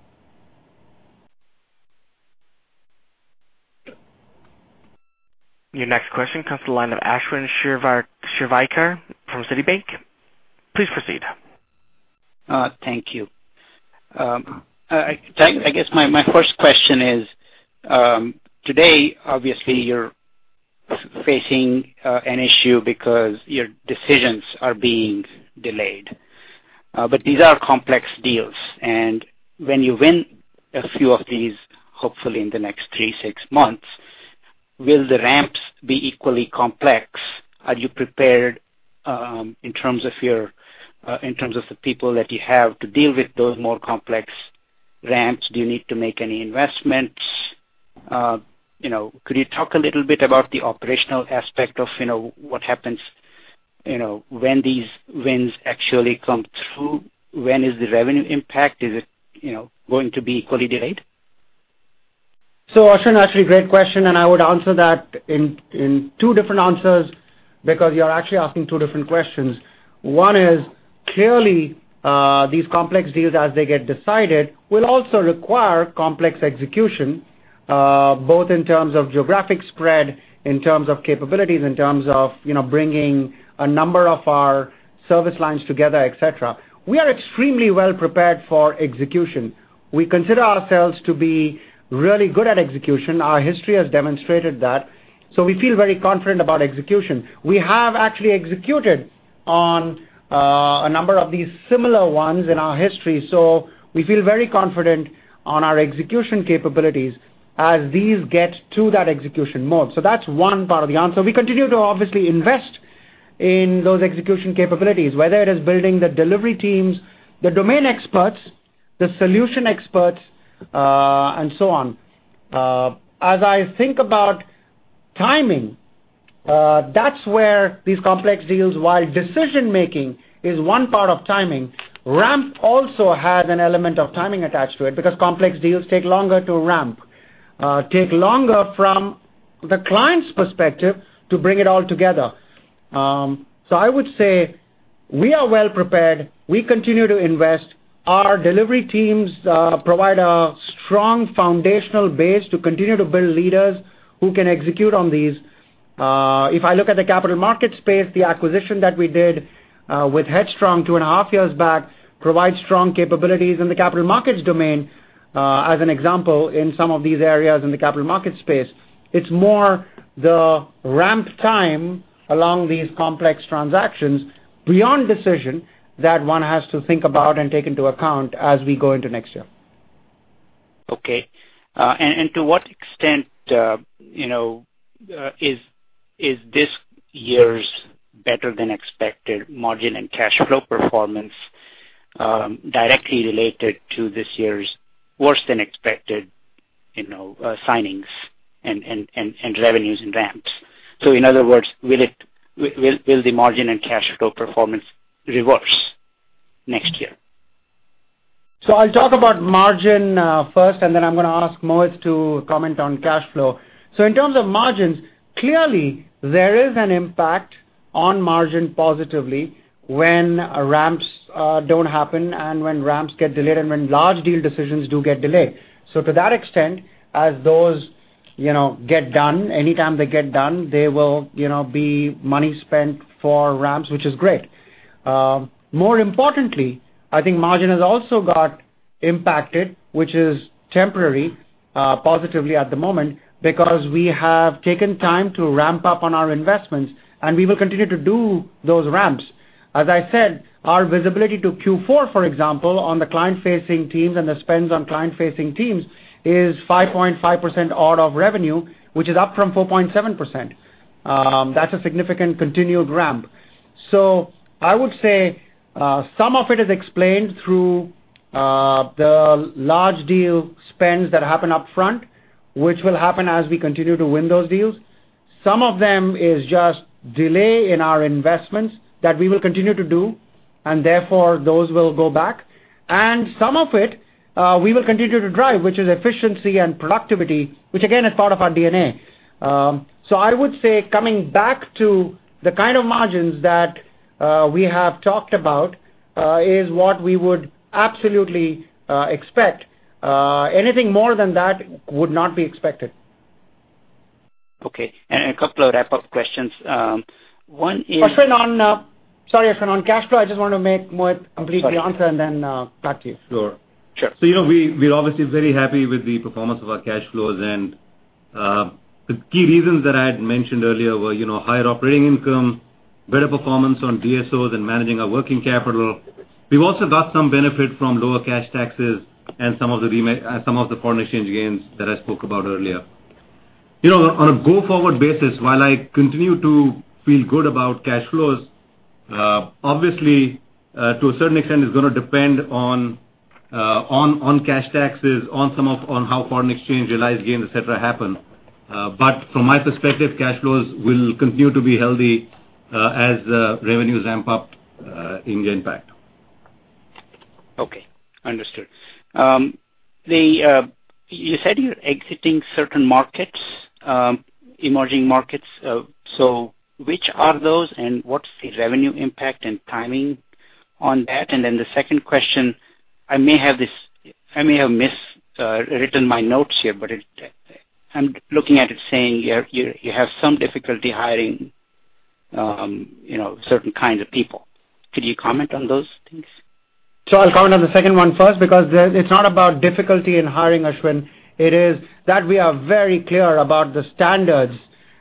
Speaker 1: Your next question comes to the line of Ashwin Shirvaikar from Citibank. Please proceed.
Speaker 9: Thank you. I guess my first question is, today, obviously, you're facing an issue because your decisions are being delayed. These are complex deals, and when you win a few of these, hopefully in the next three, six months, will the ramps be equally complex? Are you prepared, in terms of the people that you have to deal with those more complex ramps? Do you need to make any investments? Could you talk a little bit about the operational aspect of what happens when these wins actually come through? When is the revenue impact? Is it going to be equally delayed?
Speaker 3: Ashwin, actually, great question, and I would answer that in two different answers because you're actually asking two different questions. One is, clearly, these complex deals, as they get decided, will also require complex execution, both in terms of geographic spread, in terms of capabilities, in terms of bringing a number of our service lines together, et cetera. We are extremely well prepared for execution. We consider ourselves to be really good at execution. Our history has demonstrated that. We feel very confident about execution. We have actually executed on a number of these similar ones in our history. We feel very confident on our execution capabilities as these get to that execution mode. That's one part of the answer. We continue to obviously invest in those execution capabilities, whether it is building the delivery teams, the domain experts, the solution experts, and so on. As I think about timing, that's where these complex deals, while decision-making is one part of timing, ramp also has an element of timing attached to it because complex deals take longer to ramp, take longer from the client's perspective to bring it all together. I would say we are well prepared. We continue to invest. Our delivery teams provide a strong foundational base to continue to build leaders who can execute on these. If I look at the capital market space, the acquisition that we did with Headstrong two and a half years back provides strong capabilities in the capital markets domain. As an example, in some of these areas in the capital market space, it's more the ramp time along these complex transactions beyond decision that one has to think about and take into account as we go into next year.
Speaker 9: Okay. To what extent is this year's better-than-expected margin and cash flow performance directly related to this year's worse-than-expected signings and revenues and ramps? In other words, will the margin and cash flow performance reverse next year?
Speaker 3: I'll talk about margin first, then I'm going to ask Mohit to comment on cash flow. In terms of margins, clearly, there is an impact on margin positively when ramps don't happen and when ramps get delayed and when large deal decisions do get delayed. To that extent, as those get done, anytime they get done, there will be money spent for ramps, which is great. More importantly, I think margin has also got impacted, which is temporary, positively at the moment because we have taken time to ramp up on our investments, and we will continue to do those ramps. As I said, our visibility to Q4, for example, on the client-facing teams and the spends on client-facing teams is 5.5% odd of revenue, which is up from 4.7%. That's a significant continued ramp. I would say some of it is explained through the large deal spends that happen up front, which will happen as we continue to win those deals. Some of them is just delay in our investments that we will continue to do, and therefore, those will go back. Some of it, we will continue to drive, which is efficiency and productivity, which again, is part of our DNA. I would say coming back to the kind of margins that we have talked about, is what we would absolutely expect. Anything more than that would not be expected.
Speaker 9: Okay, a couple of wrap-up questions. One is.
Speaker 3: Sorry, Ashwin, on cash flow, I just want to make Mohit completely answer and then back to you.
Speaker 4: Sure.
Speaker 9: Sure.
Speaker 4: We're obviously very happy with the performance of our cash flows. The key reasons that I had mentioned earlier were higher operating income, better performance on DSOs and managing our working capital. We've also got some benefit from lower cash taxes and some of the foreign exchange gains that I spoke about earlier. On a go-forward basis, while I continue to feel good about cash flows, obviously, to a certain extent, it's going to depend on cash taxes, on how foreign exchange realized gains, et cetera, happen. From my perspective, cash flows will continue to be healthy as revenues ramp up in Genpact.
Speaker 9: Okay. Understood. You said you're exiting certain markets, emerging markets. Which are those, and what's the revenue impact and timing on that? Then the second question, I may have miswritten my notes here, I'm looking at it saying you have some difficulty hiring certain kinds of people. Could you comment on those things?
Speaker 3: I'll comment on the second one first because it's not about difficulty in hiring, Ashwin. It is that we are very clear about the standards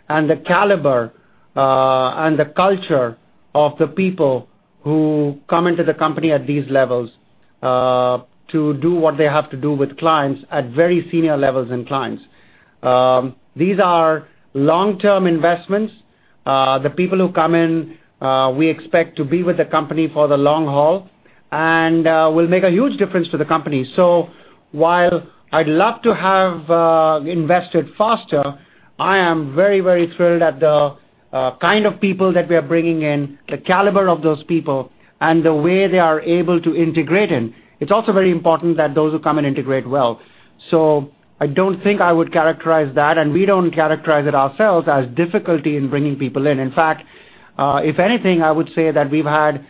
Speaker 3: and the caliber, and the culture of the people who come into the company at these levels, to do what they have to do with clients at very senior levels and clients. These are long-term investments. The people who come in, we expect to be with the company for the long haul and will make a huge difference to the company. While I'd love to have invested faster, I am very thrilled at the kind of people that we are bringing in, the caliber of those people, and the way they are able to integrate in. It's also very important that those who come in integrate well. I don't think I would characterize that, and we don't characterize it ourselves as difficulty in bringing people in. In fact, if anything, I would say that we've had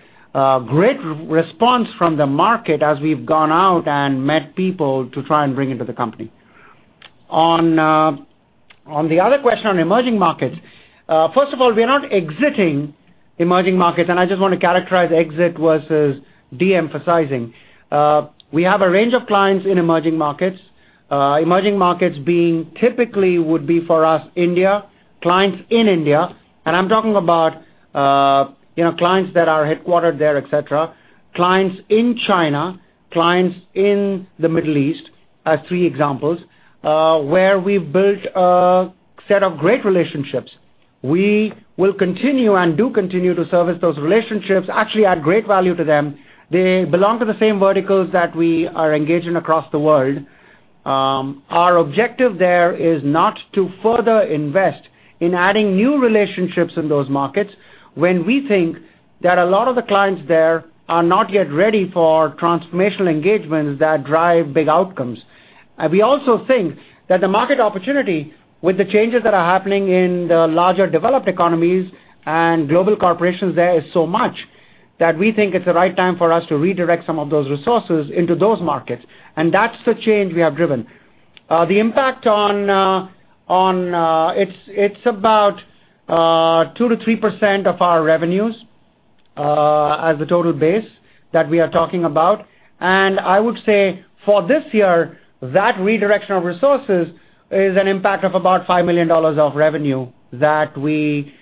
Speaker 3: great response from the market as we've gone out and met people to try and bring into the company. On the other question on emerging markets, first of all, we are not exiting emerging markets, and I just want to characterize exit versus de-emphasizing. We have a range of clients in emerging markets. Emerging markets being typically would be for us, India, clients in India. I'm talking about clients that are headquartered there, et cetera, clients in China, clients in the Middle East as three examples, where we've built a set of great relationships. We will continue and do continue to service those relationships, actually add great value to them. They belong to the same verticals that we are engaged in across the world. Our objective there is not to further invest in adding new relationships in those markets when we think that a lot of the clients there are not yet ready for transformational engagements that drive big outcomes. We also think that the market opportunity with the changes that are happening in the larger developed economies and global corporations there is so much that we think it's the right time for us to redirect some of those resources into those markets. That's the change we have driven. The impact, it's about 2%-3% of our revenues, as a total base that we are talking about. I would say for this year, that redirection of resources is an impact of about $5 million of revenue that we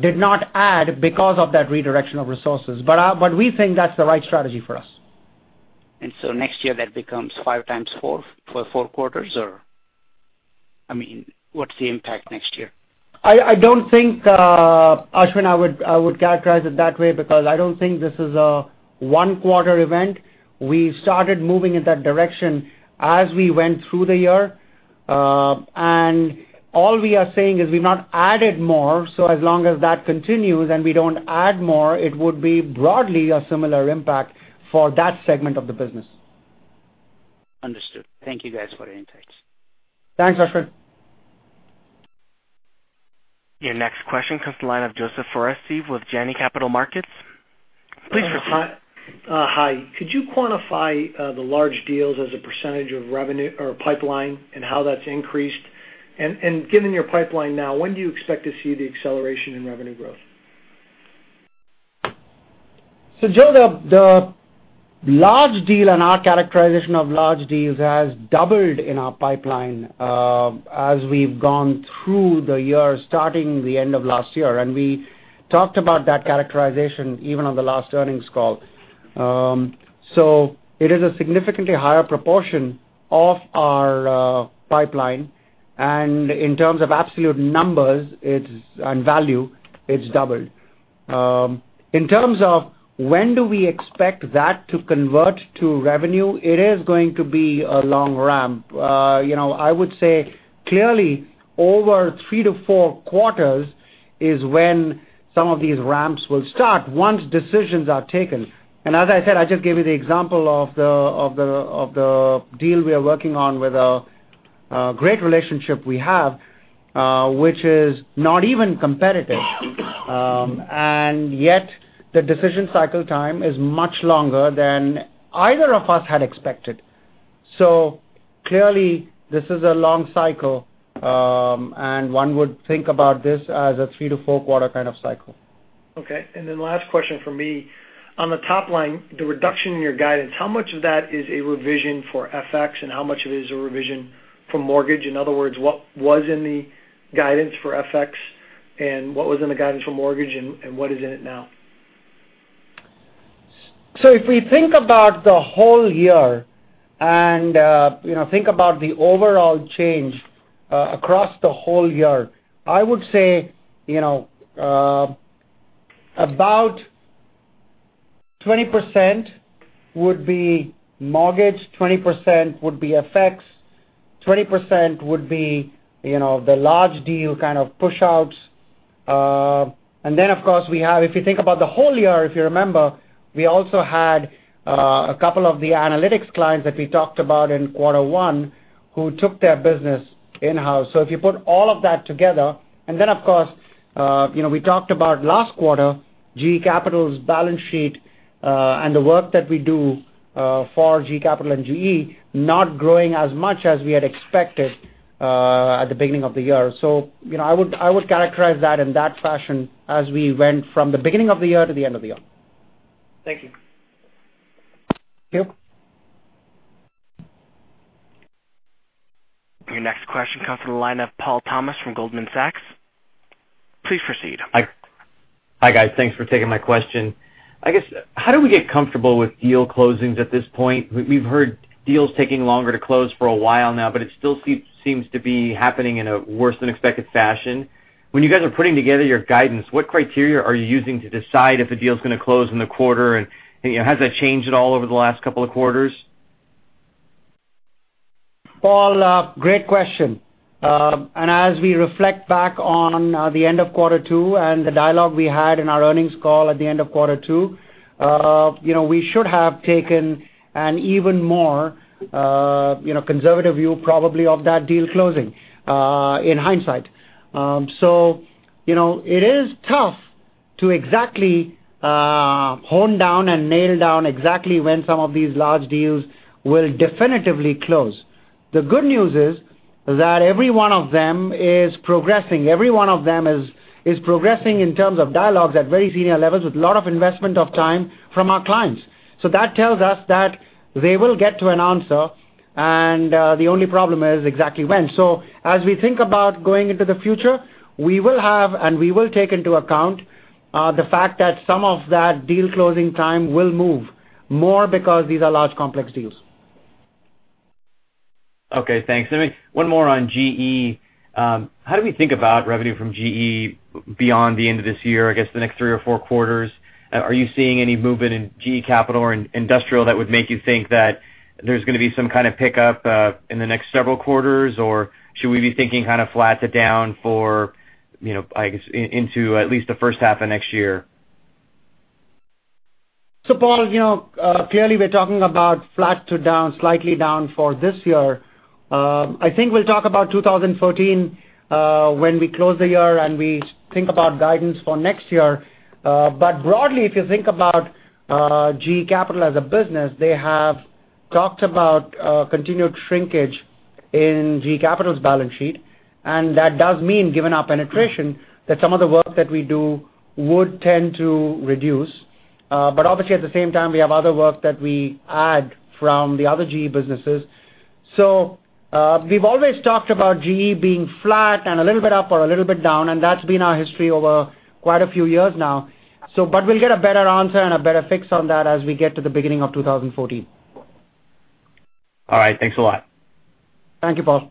Speaker 3: did not add because of that redirection of resources. We think that's the right strategy for us.
Speaker 9: Next year, that becomes five times four for four quarters, or what's the impact next year?
Speaker 3: I don't think, Ashwin, I would characterize it that way because I don't think this is a one-quarter event. We started moving in that direction as we went through the year. All we are saying is we've not added more, so as long as that continues and we don't add more, it would be broadly a similar impact for that segment of the business.
Speaker 9: Understood. Thank you guys for your insights.
Speaker 3: Thanks, Ashwin.
Speaker 1: Your next question comes the line of Joseph Foresi with Janney Capital Markets. Please, Joseph.
Speaker 10: Hi. Could you quantify the large deals as a percentage of revenue or pipeline and how that's increased? Given your pipeline now, when do you expect to see the acceleration in revenue growth?
Speaker 3: Joe, the large deal and our characterization of large deals has doubled in our pipeline, as we've gone through the year, starting the end of last year. We talked about that characterization even on the last earnings call. It is a significantly higher proportion of our pipeline, and in terms of absolute numbers and value, it's doubled. In terms of when do we expect that to convert to revenue, it is going to be a long ramp. I would say clearly over three to four quarters is when some of these ramps will start, once decisions are taken. As I said, I just gave you the example of the deal we are working on with a great relationship we have, which is not even competitive. Yet the decision cycle time is much longer than either of us had expected. Clearly, this is a long cycle, and one would think about this as a three to four-quarter kind of cycle.
Speaker 10: Okay. Last question from me. On the top line, the reduction in your guidance, how much of that is a revision for FX and how much of it is a revision for mortgage? In other words, what was in the guidance for FX and what was in the guidance for mortgage and what is in it now?
Speaker 3: If we think about the whole year and think about the overall change across the whole year, I would say, about 20% would be mortgage, 20% would be FX, 20% would be the large deal pushouts. Then, of course, if you think about the whole year, if you remember, we also had a couple of the analytics clients that we talked about in quarter one, who took their business in-house. If you put all of that together, and then, of course, we talked about last quarter, GE Capital's balance sheet, and the work that we do for GE Capital and GE not growing as much as we had expected at the beginning of the year. I would characterize that in that fashion as we went from the beginning of the year to the end of the year.
Speaker 10: Thank you.
Speaker 3: Thank you.
Speaker 1: Your next question comes from the line of Paul Thomas from Goldman Sachs. Please proceed.
Speaker 11: Hi. Hi, guys. Thanks for taking my question. I guess, how do we get comfortable with deal closings at this point? We've heard deals taking longer to close for a while now, but it still seems to be happening in a worse-than-expected fashion. When you guys are putting together your guidance, what criteria are you using to decide if a deal is going to close in the quarter, and has that changed at all over the last couple of quarters?
Speaker 3: Paul, great question. As we reflect back on the end of quarter two and the dialogue we had in our earnings call at the end of quarter two, we should have taken an even more conservative view probably of that deal closing, in hindsight. It is tough to exactly hone down and nail down exactly when some of these large deals will definitively close. The good news is that every one of them is progressing. Every one of them is progressing in terms of dialogues at very senior levels with a lot of investment of time from our clients. That tells us that they will get to an answer, and, the only problem is exactly when. As we think about going into the future, we will have, and we will take into account, the fact that some of that deal closing time will move more because these are large complex deals.
Speaker 11: Okay, thanks. One more on GE. How do we think about revenue from GE beyond the end of this year, I guess, the next three or four quarters? Are you seeing any movement in GE Capital or in Industrial that would make you think that there's going to be some kind of pickup in the next several quarters? Should we be thinking kind of flat to down for, I guess, into at least the first half of next year?
Speaker 3: Paul, clearly we're talking about flat to down, slightly down for this year. I think we'll talk about 2014 when we close the year and we think about guidance for next year. Broadly, if you think about GE Capital as a business, they have talked about continued shrinkage in GE Capital's balance sheet, and that does mean given our penetration, that some of the work that we do would tend to reduce. Obviously at the same time, we have other work that we add from the other GE businesses. We've always talked about GE being flat and a little bit up or a little bit down, and that's been our history over quite a few years now. We'll get a better answer and a better fix on that as we get to the beginning of 2014.
Speaker 11: All right. Thanks a lot.
Speaker 3: Thank you, Paul.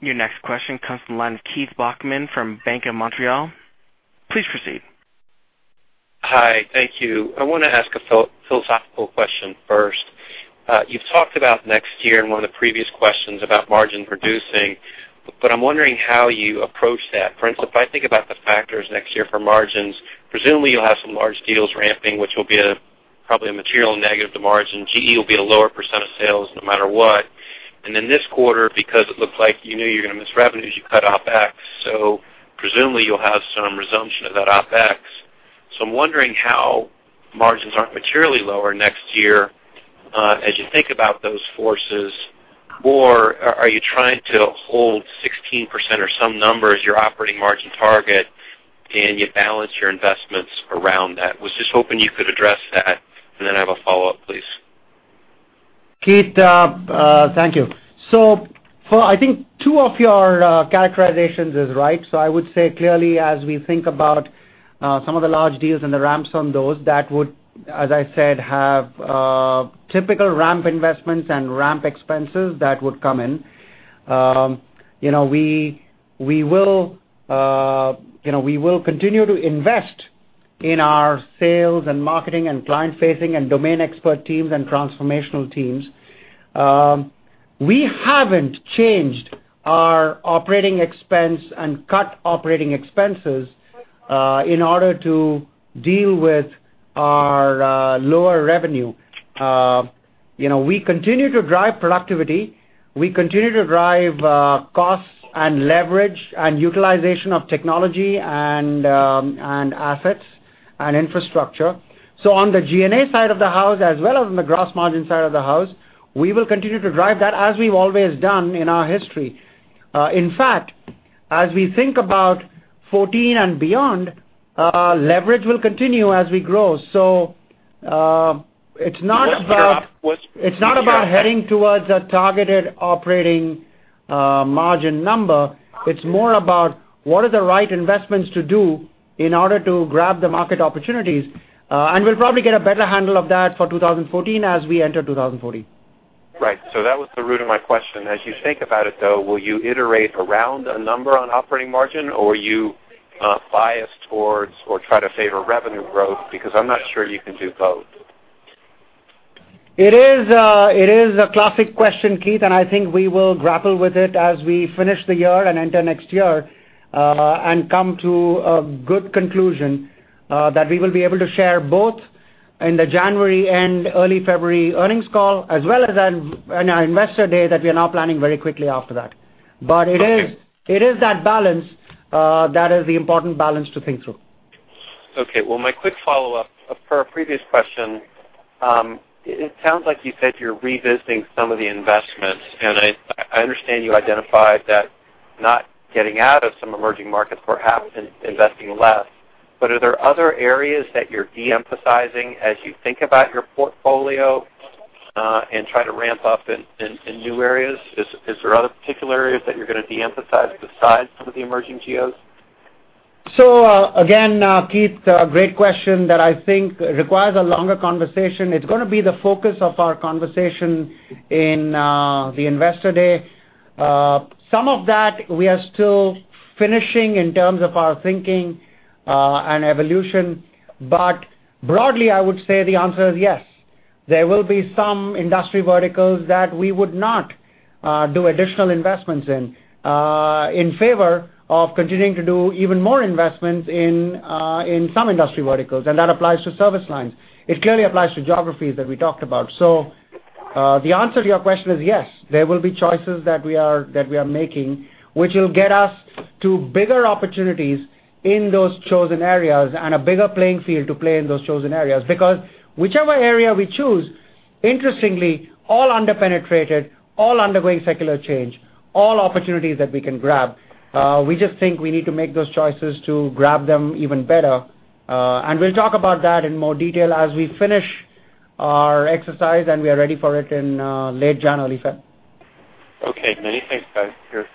Speaker 1: Your next question comes from the line of Keith Bachman from Bank of Montreal. Please proceed.
Speaker 12: Hi. Thank you. I want to ask a philosophical question first. You've talked about next year in one of the previous questions about margin producing, but I'm wondering how you approach that. For instance, if I think about the factors next year for margins, presumably you'll have some large deals ramping, which will be probably a material negative to margin. GE will be a lower % of sales no matter what. This quarter, because it looked like you knew you were going to miss revenues, you cut OpEx, so presumably you'll have some resumption of that OpEx. I'm wondering how margins aren't materially lower next year, as you think about those forces, or are you trying to hold 16% or some number as your operating margin target, and you balance your investments around that? Was just hoping you could address that. I have a follow-up, please.
Speaker 3: Keith, thank you. I think two of your characterizations is right. I would say clearly as we think about some of the large deals and the ramps on those, that would, as I said, have typical ramp investments and ramp expenses that would come in. We will continue to invest in our sales and marketing and client-facing and domain expert teams and transformational teams. We haven't changed our operating expense and cut operating expenses, in order to deal with our lower revenue. We continue to drive productivity. We continue to drive costs and leverage and utilization of technology and assets and infrastructure. On the G&A side of the house, as well as on the gross margin side of the house, we will continue to drive that as we've always done in our history. In fact, as we think about 2014 and beyond, leverage will continue as we grow. It's not about heading towards a targeted operating margin number. It's more about what are the right investments to do in order to grab the market opportunities. We'll probably get a better handle of that for 2014 as we enter 2014.
Speaker 12: Right. That was the root of my question. As you think about it, though, will you iterate around a number on operating margin, or are you biased towards or try to favor revenue growth? Because I'm not sure you can do both.
Speaker 3: It is a classic question, Keith, I think we will grapple with it as we finish the year and enter next year, and come to a good conclusion that we will be able to share both in the January and early February earnings call as well as in our Investor Day that we are now planning very quickly after that. It is that balance that is the important balance to think through.
Speaker 12: Okay. Well, my quick follow-up for a previous question. It sounds like you said you're revisiting some of the investments, and I understand you identified that not getting out of some emerging markets, perhaps investing less, but are there other areas that you're de-emphasizing as you think about your portfolio and try to ramp up in new areas? Is there other particular areas that you're going to de-emphasize besides some of the emerging geos?
Speaker 3: Again, Keith, great question that I think requires a longer conversation. It's going to be the focus of our conversation in the Investor Day. Some of that we are still finishing in terms of our thinking and evolution. Broadly, I would say the answer is yes. There will be some industry verticals that we would not do additional investments in favor of continuing to do even more investments in some industry verticals, and that applies to service lines. It clearly applies to geographies that we talked about. The answer to your question is yes, there will be choices that we are making, which will get us to bigger opportunities in those chosen areas and a bigger playing field to play in those chosen areas. Whichever area we choose, interestingly, all under-penetrated, all undergoing secular change, all opportunities that we can grab. We just think we need to make those choices to grab them even better. We'll talk about that in more detail as we finish our exercise, and we are ready for it in late January, Feb.
Speaker 12: Okay. Many thanks, guys. Cheers.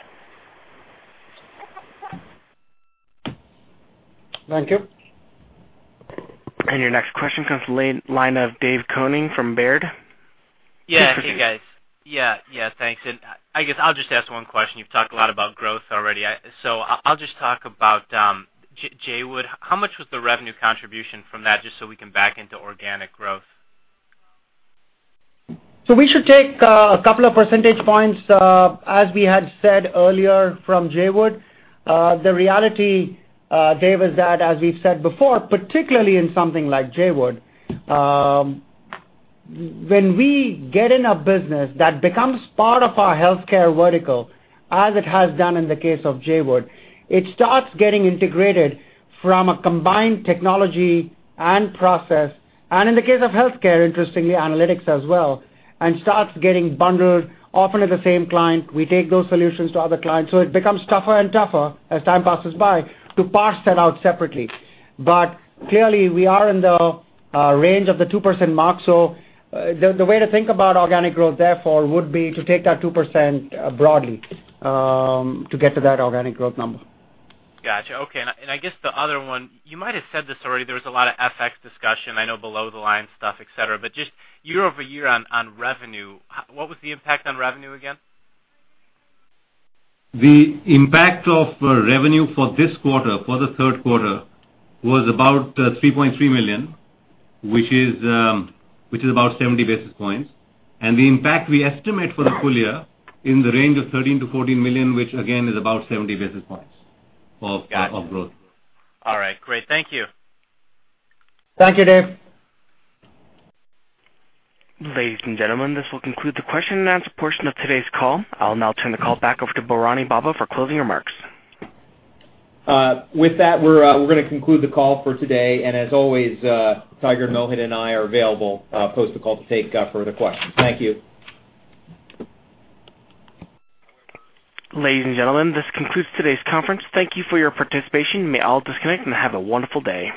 Speaker 3: Thank you.
Speaker 1: Your next question comes the line of Dave Koning from Baird.
Speaker 13: I guess I'll just ask one question. You've talked a lot about growth already. I'll just talk about Jawood. How much was the revenue contribution from that, just so we can back into organic growth?
Speaker 3: We should take a couple of percentage points, as we had said earlier from Jawood. The reality, Dave, is that, as we've said before, particularly in something like Jawood, when we get in a business that becomes part of our healthcare vertical, as it has done in the case of Jawood, it starts getting integrated from a combined technology and process, and in the case of healthcare, interestingly, analytics as well, and starts getting bundled often at the same client. We take those solutions to other clients, it becomes tougher and tougher as time passes by to parse that out separately. Clearly, we are in the range of the 2% mark. The way to think about organic growth, therefore, would be to take that 2% broadly to get to that organic growth number.
Speaker 13: Got you. Okay. I guess the other one, you might have said this already, there was a lot of FX discussion, I know below the line stuff, et cetera, but just year-over-year on revenue, what was the impact on revenue again?
Speaker 4: The impact of revenue for this quarter, for the third quarter, was about $3.3 million, which is about 70 basis points. The impact we estimate for the full year in the range of $13 million-$14 million, which again, is about 70 basis points of growth.
Speaker 13: All right, great. Thank you.
Speaker 3: Thank you, Dave.
Speaker 1: Ladies and gentlemen, this will conclude the question and answer portion of today's call. I'll now turn the call back over to Bharani Bobba for closing remarks.
Speaker 2: With that, we're going to conclude the call for today, and as always, Tiger, Mohit, and I are available post the call to take further questions. Thank you.
Speaker 1: Ladies and gentlemen, this concludes today's conference. Thank you for your participation. You may all disconnect, and have a wonderful day.